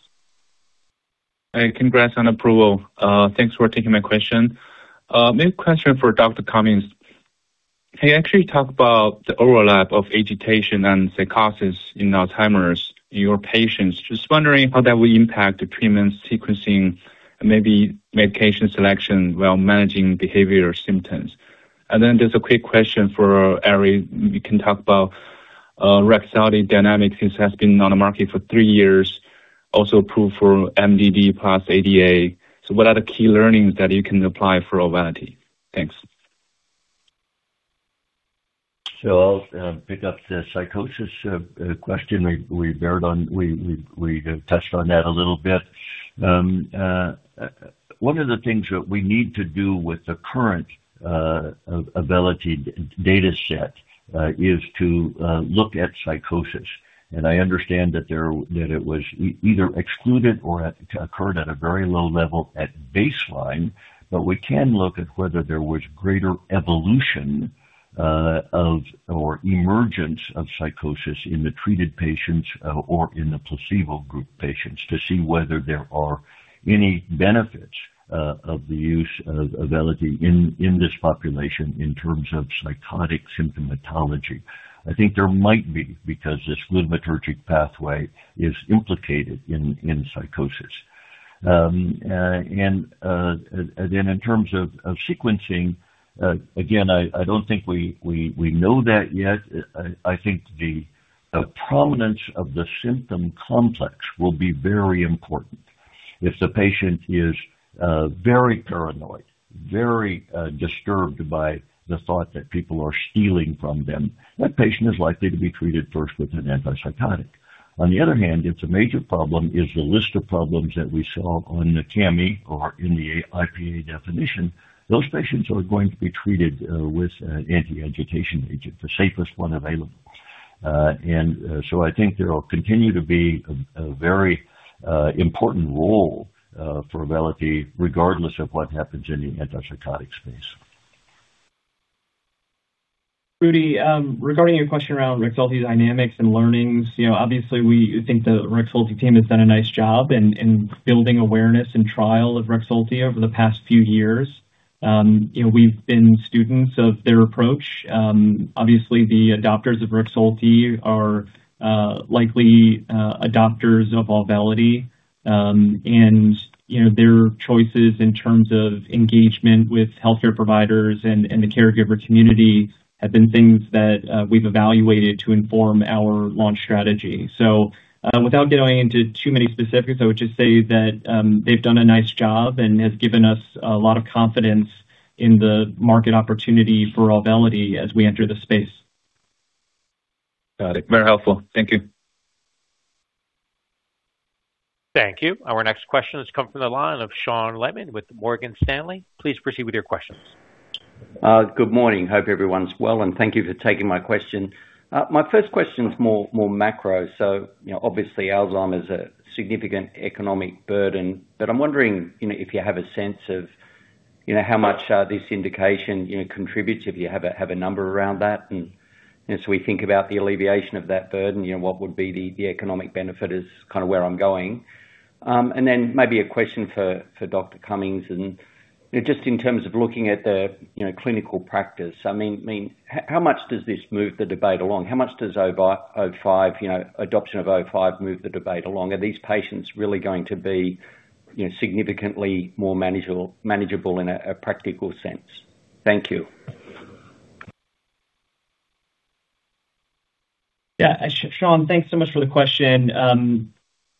Congrats on approval. Thanks for taking my question. Main question for Dr. Cummings. Can you actually talk about the overlap of agitation and psychosis in Alzheimer's in your patients? Just wondering how that will impact the treatment sequencing, maybe medication selection while managing behavior symptoms. Just a quick question for Ari. You can talk about REXULTI dynamics since has been on the market for three years, also approved for MDD plus ADA. What are the key learnings that you can apply for AUVELITY? Thanks. I'll pick up the psychosis question. We touched on that a little bit. One of the things that we need to do with the current AUVELITY data set is to look at psychosis. I understand that it was either excluded or occurred at a very low level at baseline. We can look at whether there was greater evolution of, or emergence of psychosis in the treated patients, or in the placebo group patients to see whether there are any benefits of the use of AUVELITY in this population in terms of psychotic symptomatology. I think there might be because this glutamatergic pathway is implicated in psychosis. Again, in terms of sequencing, I don't think we know that yet. I think the prominence of the symptom complex will be very important. If the patient is very paranoid, very disturbed by the thought that people are stealing from them, that patient is likely to be treated first with an antipsychotic. On the other hand, if the major problem is the list of problems that we saw on the CMAI or in the IPA definition, those patients are going to be treated with an anti-agitation agent, the safest one available. I think there will continue to be a very important role for AUVELITY, regardless of what happens in the antipsychotic space. Rudy, regarding your question around REXULTI dynamics and learnings, you know, obviously, we think the REXULTI team has done a nice job in building awareness and trial of REXULTI over the past few years. You know, we've been students of their approach. Obviously, the adopters of REXULTI are likely adopters of AUVELITY. You know, their choices in terms of engagement with healthcare providers and the caregiver community have been things that we've evaluated to inform our launch strategy. Without getting into too many specifics, I would just say that they've done a nice job and has given us a lot of confidence in the market opportunity for AUVELITY as we enter the space. Got it. Very helpful. Thank you. Thank you. Our next question has come from the line of Sean Laaman with Morgan Stanley. Please proceed with your questions. Good morning. Hope everyone's well, and thank you for taking my question. My first question is more macro. You know, obviously, Alzheimer's a significant economic burden, but I'm wondering, you know, if you have a sense of, you know, how much, this indication, you know, contributes. If you have a number around that. We think about the alleviation of that burden, you know, what would be the economic benefit is kinda where I'm going. Then maybe a question for Dr. Cummings. You know, just in terms of looking at the, you know, clinical practice, I mean, how much does this move the debate along? How much does AUVELITY, you know, adoption of AUVELITY move the debate along? Are these patients really going to be, you know, significantly more manageable in a practical sense? Thank you. Yeah. Sean, thanks so much for the question.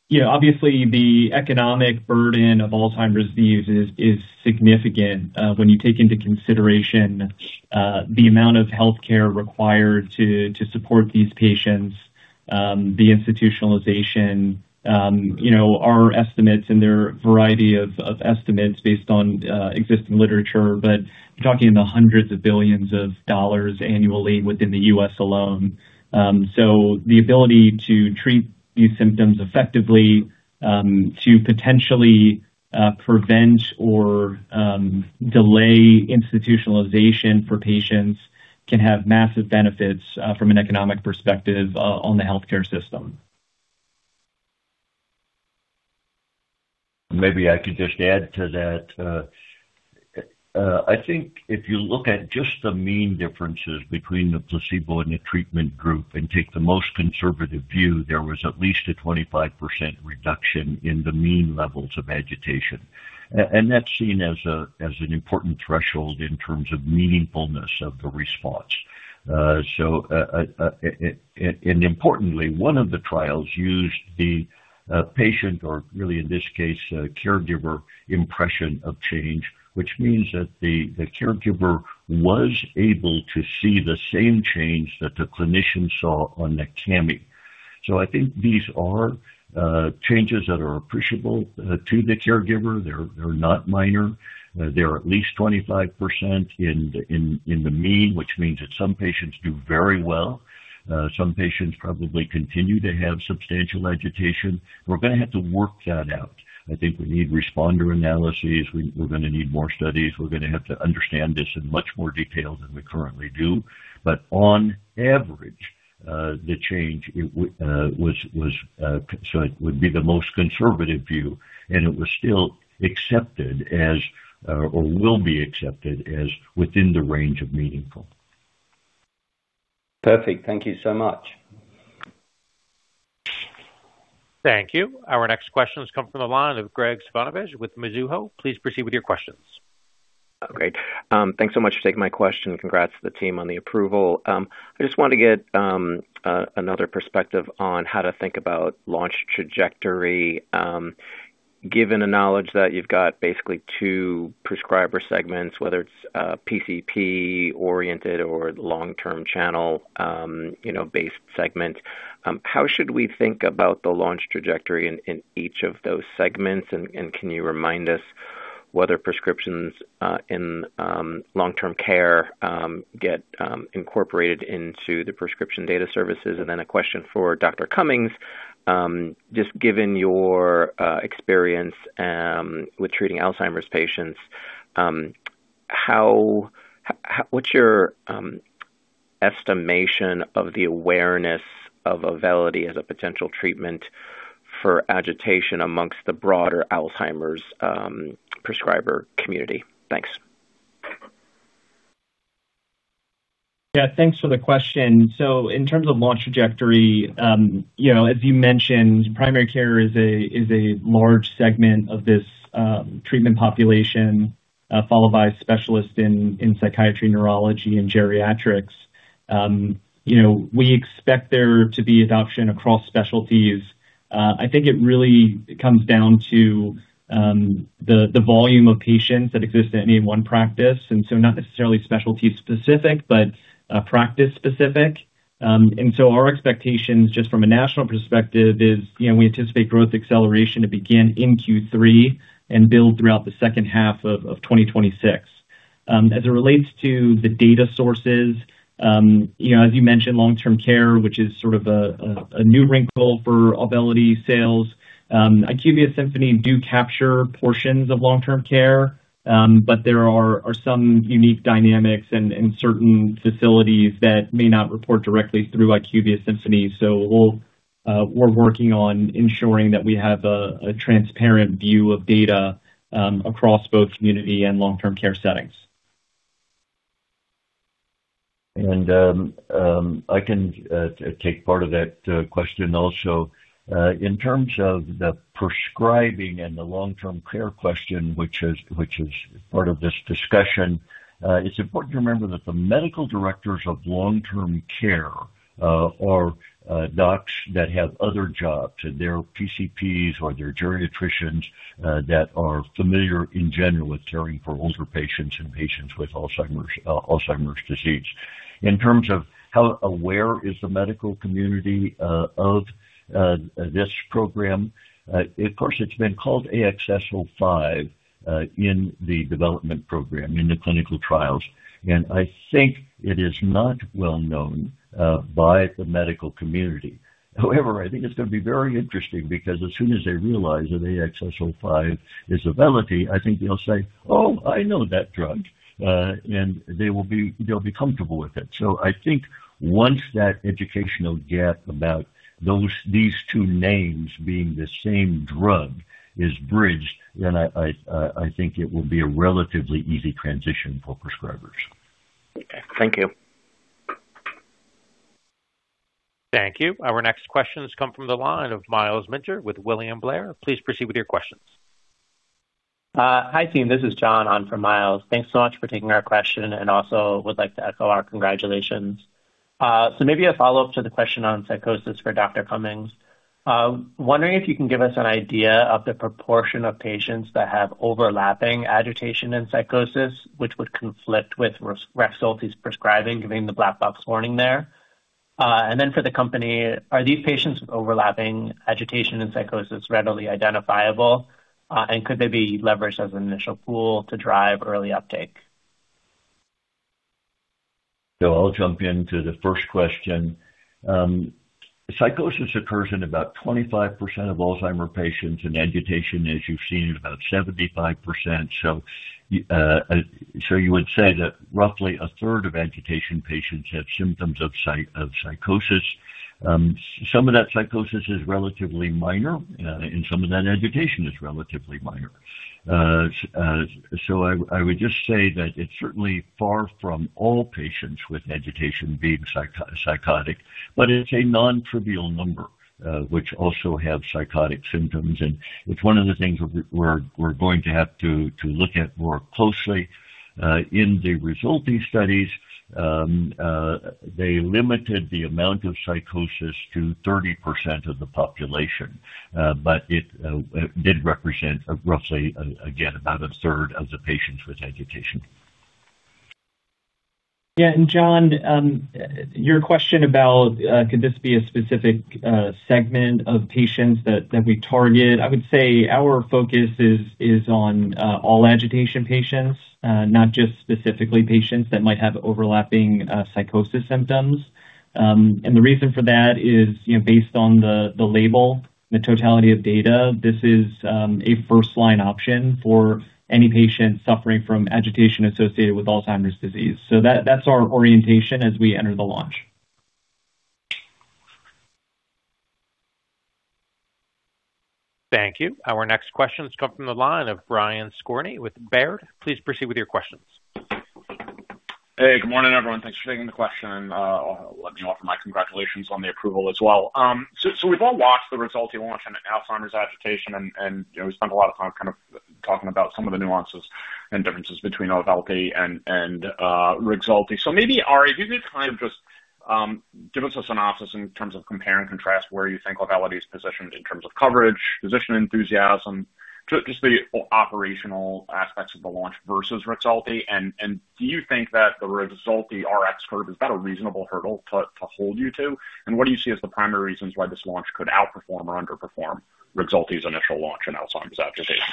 you know, obviously, the economic burden of Alzheimer's disease is significant, when you take into consideration the amount of healthcare required to support these patients, the institutionalization, you know, our estimates and their variety of estimates based on existing literature, you're talking in the hundreds of billions of dollars annually within the U.S. alone. The ability to treat these symptoms effectively, to potentially prevent or delay institutionalization for patients can have massive benefits from an economic perspective on the healthcare system. Maybe I could just add to that. I think if you look at just the mean differences between the placebo and the treatment group and take the most conservative view, there was at least a 25% reduction in the mean levels of agitation. That's seen as an important threshold in terms of meaningfulness of the response. Importantly, one of the trials used the patient or really in this case, caregiver impression of change, which means that the caregiver was able to see the same change that the clinician saw on that CMAI. I think these are changes that are appreciable to the caregiver. They're not minor. They're at least 25% in the mean, which means that some patients do very well. Some patients probably continue to have substantial agitation. We're gonna have to work that out. I think we need responder analyses. We, we're gonna need more studies. We're gonna have to understand this in much more detail than we currently do. On average, the change it was so it would be the most conservative view, and it was still accepted as, or will be accepted as within the range of meaningful. Perfect. Thank you so much. Thank you. Our next question has come from the line of Graig Suvannavejh with Mizuho. Please proceed with your questions. Great. Thanks so much for taking my question. Congrats to the team on the approval. I just wanted to get another perspective on how to think about launch trajectory. Given the knowledge that you've got basically two prescriber segments, whether it's PCP oriented or long-term channel, based segments, how should we think about the launch trajectory in each of those segments? Can you remind us whether prescriptions in long-term care get incorporated into the prescription data services? A question for Dr. Cummings. Just given your experience with treating Alzheimer's patients, what's your estimation of the awareness of AUVELITY as a potential treatment for agitation amongst the broader Alzheimer's prescriber community? Thanks. Yeah, thanks for the question. In terms of launch trajectory, you know, as you mentioned, primary care is a large segment of this treatment population, followed by specialists in psychiatry, neurology, and geriatrics. You know, we expect there to be adoption across specialties. I think it really comes down to the volume of patients that exist in any one practice. Not necessarily specialty specific, but practice specific. Our expectations just from a national perspective is, you know, we anticipate growth acceleration to begin in Q3 and build throughout the second half of 2026. As it relates to the data sources, you know, as you mentioned, long-term care, which is sort of a new wrinkle for AUVELITY sales. IQVIA Symphony do capture portions of long-term care, but there are some unique dynamics and certain facilities that may not report directly through IQVIA Symphony. We'll, we're working on ensuring that we have a transparent view of data, across both community and long-term care settings. I can take part of that question also. In terms of the prescribing and the long-term care question, which is part of this discussion, it's important to remember that the medical directors of long-term care are docs that have other jobs. They're PCPs or they're geriatricians that are familiar in general with caring for older patients and patients with Alzheimer's disease. In terms of how aware is the medical community of this program, of course, it's been called AXS-05 in the development program, in the clinical trials. I think it is not well known by the medical community. I think it's gonna be very interesting because as soon as they realize that AXS-05 is AUVELITY, I think they'll say, "Oh, I know that drug." They'll be comfortable with it. I think once that educational gap about these two names being the same drug is bridged, then I think it will be a relatively easy transition for prescribers. Okay. Thank you. Thank you. Our next questions come from the line of Myles Minter with William Blair. Please proceed with your questions. Hi, team. This is John on for Myles. Thanks so much for taking our question, and also would like to echo our congratulations. Maybe a follow-up to the question on psychosis for Dr. Cummings. Wondering if you can give us an idea of the proportion of patients that have overlapping agitation and psychosis, which would conflict with REXULTI's prescribing, giving the black box warning there. Then for the company, are these patients with overlapping agitation and psychosis readily identifiable? Could they be leveraged as an initial pool to drive early uptake? I'll jump into the first question. Psychosis occurs in about 25% of Alzheimer patients, and agitation, as you've seen, in about 75%. You would say that roughly 1/3 of agitation patients have symptoms of psychosis. Some of that psychosis is relatively minor, and some of that agitation is relatively minor. I would just say that it's certainly far from all patients with agitation being psychotic, but it's a non-trivial number, which also have psychotic symptoms. It's one of the things we're going to have to look at more closely. In the REXULTI studies, they limited the amount of psychosis to 30% of the population, but it did represent roughly, again, about a third of the patients with agitation. John, your question about could this be a specific segment of patients that we target? I would say our focus is on all agitation patients, not just specifically patients that might have overlapping psychosis symptoms. The reason for that is, you know, based on the label, the totality of data, this is a first-line option for any patient suffering from agitation associated with Alzheimer's disease. That's our orientation as we enter the launch. Thank you. Our next questions come from the line of Brian Skorney with Baird. Please proceed with your questions. Hey, good morning, everyone. Thanks for taking the question. Let me offer my congratulations on the approval as well. We've all watched the Rexulti launch in Alzheimer's agitation and, you know, we spent a lot of time kind of talking about some of the nuances and differences between AUVELITY and REXULTI. Maybe, Ari, if you could kind of just give us a synopsis in terms of compare and contrast, where you think AUVELITY's positioned in terms of coverage, physician enthusiasm, just the operational aspects of the launch versus REXULTI. Do you think that the REXULTI Rx curve, is that a reasonable hurdle to hold you to? What do you see as the primary reasons why this launch could outperform or underperform REXULTI's initial launch in Alzheimer's agitation?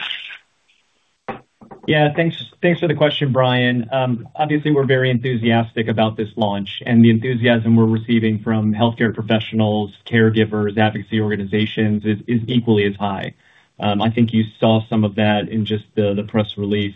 Yeah, thanks. Thanks for the question, Brian. Obviously, we're very enthusiastic about this launch, and the enthusiasm we're receiving from healthcare professionals, caregivers, advocacy organizations is equally as high. I think you saw some of that in just the press release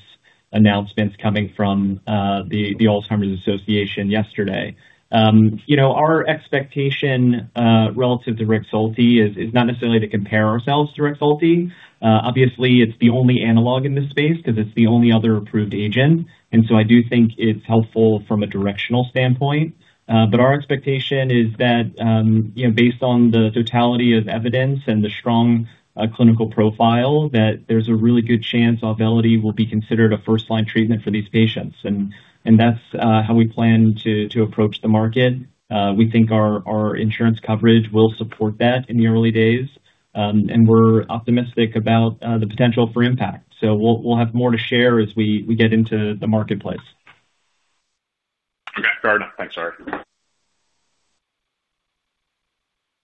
announcements coming from the Alzheimer's Association yesterday. You know, our expectation relative to REXULTI is not necessarily to compare ourselves to REXULTI. Obviously, it's the only analog in this space because it's the only other approved agent. I do think it's helpful from a directional standpoint. Our expectation is that, you know, based on the totality of evidence and the strong clinical profile, there's a really good chance AUVELITY will be considered a first-line treatment for these patients. That's how we plan to approach the market. We think our insurance coverage will support that in the early days. We're optimistic about the potential for impact. We'll have more to share as we get into the marketplace. Okay. Fair enough. Thanks, Ari.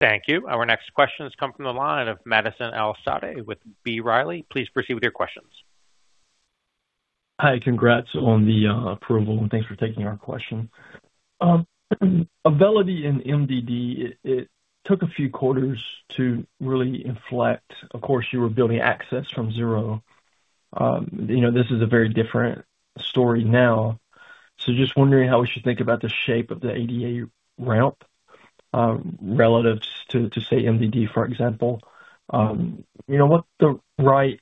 Thank you. Our next questions come from the line of Madison El-Saadi with B. Riley. Please proceed with your questions. Hi. Congrats on the approval, and thanks for taking our question. AUVELITY and MDD, it took a few quarters to really inflect. Of course, you were building access from zero. You know, this is a very different story now. Just wondering how we should think about the shape of the ADA ramp relative to, say, MDD, for example. You know, what the right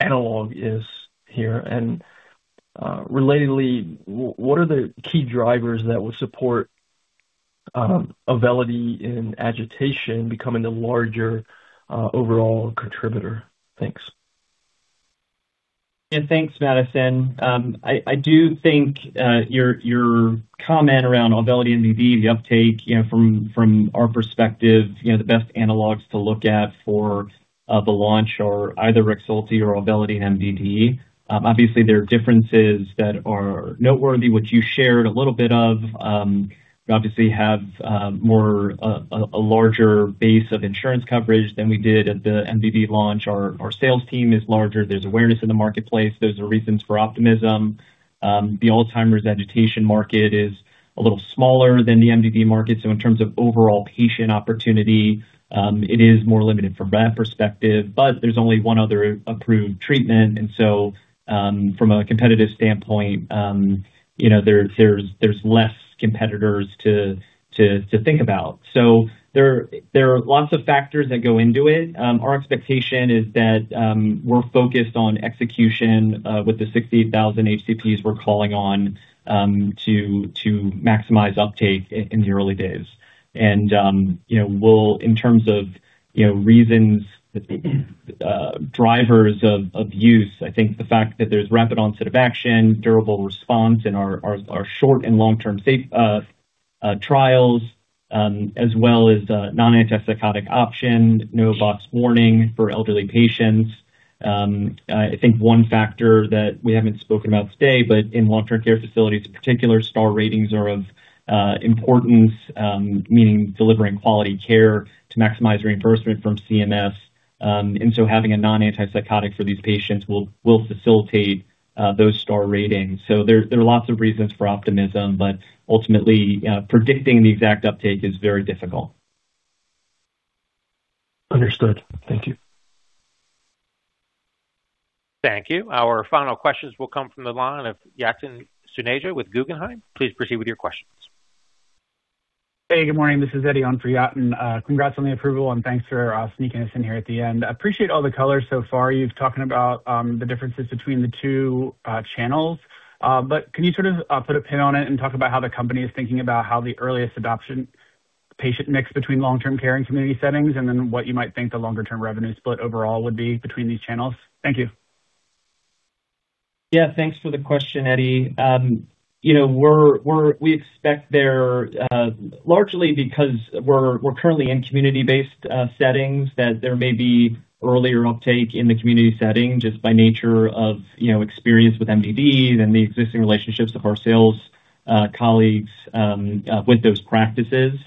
analog is here? Relatedly, what are the key drivers that would support AUVELITY in agitation becoming a larger overall contributor? Thanks. Thanks, Madison. I do think your comment around AUVELITY and MDD, the uptake, you know, from our perspective, you know, the best analogs to look at for the launch are either REXULTI or AUVELITY and MDD. Obviously, there are differences that are noteworthy, which you shared a little bit of. We obviously have a larger base of insurance coverage than we did at the MDD launch. Our sales team is larger. There's awareness in the marketplace. Those are reasons for optimism. The Alzheimer's agitation market is a little smaller than the MDD market. In terms of overall patient opportunity, it is more limited from that perspective. There's only one other approved treatment, from a competitive standpoint, you know, there's less competitors to think about. There are lots of factors that go into it. Our expectation is that we're focused on execution with the 60,000 HCPs we're calling on to maximize uptake in the early days. You know, in terms of, you know, reasons, drivers of use, I think the fact that there's rapid onset of action, durable response and our short and long-term safe trials, as well as non-antipsychotic option, no box warning for elderly patients. I think one factor that we haven't spoken about today, but in long-term care facilities in particular, star ratings are of importance, meaning delivering quality care to maximize reimbursement from CMS. Having a non-antipsychotic for these patients will facilitate those star ratings. There are lots of reasons for optimism, but ultimately, predicting the exact uptake is very difficult. Understood. Thank you. Thank you. Our final questions will come from the line of Yatin Suneja with Guggenheim. Please proceed with your questions. Hey, good morning. This is Eddie on for Yatun. Congrats on the approval and thanks for sneaking us in here at the end. I appreciate all the color so far. You've talking about the differences between the two channels. Can you sort of put a pin on it and talk about how the company is thinking about how the earliest adoption patient mix between long-term care and community settings? What you might think the longer term revenue split overall would be between these channels. Thank you. Yeah, thanks for the question, Eddie. You know, we expect there, largely because we're currently in community-based settings, that there may be earlier uptake in the community setting just by nature of, you know, experience with MDDs and the existing relationships of our sales colleagues with those practices.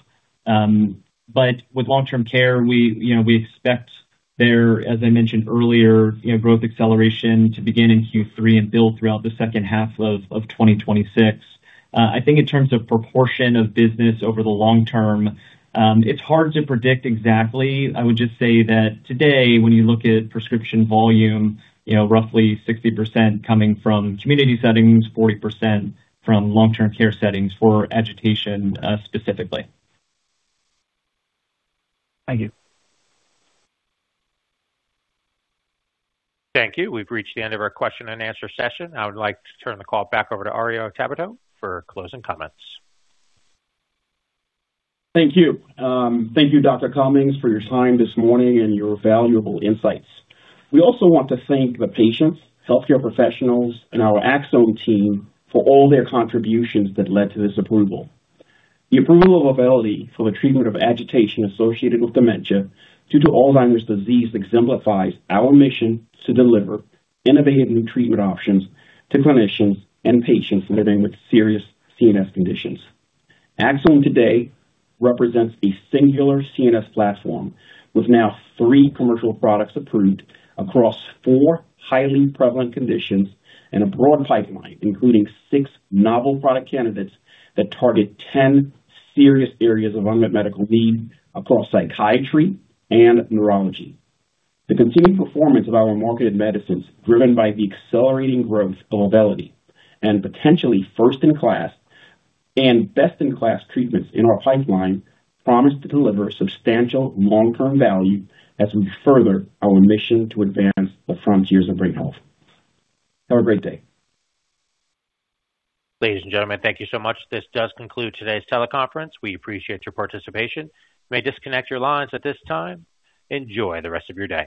With long-term care, we, you know, we expect there, as I mentioned earlier, you know, growth acceleration to begin in Q3 and build throughout the second half of 2026. I think in terms of proportion of business over the long term, it's hard to predict exactly. I would just say that today when you look at prescription volume, you know, roughly 60% coming from community settings, 40% from long-term care settings for agitation specifically. Thank you. Thank you. We've reached the end of our question and answer session. I would like to turn the call back over to Herriot Tabuteau for closing comments. Thank you. Thank you, Dr. Cummings, for your time this morning and your valuable insights. We also want to thank the patients, healthcare professionals, and our Axsome team for all their contributions that led to this approval. The approval of AUVELITY for the treatment of agitation associated with dementia due to Alzheimer's disease exemplifies our mission to deliver innovative new treatment options to clinicians and patients living with serious CNS conditions. Axsome today represents a singular CNS platform with now three commercial products approved across four highly prevalent conditions and a broad pipeline, including six novel product candidates that target 10 serious areas of unmet medical need across psychiatry and neurology. The continued performance of our marketed medicines, driven by the accelerating growth of AUVELITY and potentially first-in-class and best-in-class treatments in our pipeline, promise to deliver substantial long-term value as we further our mission to advance the frontiers of brain health. Have a great day. Ladies and gentlemen, thank you so much. This does conclude today's teleconference. We appreciate your participation. You may disconnect your lines at this time. Enjoy the rest of your day.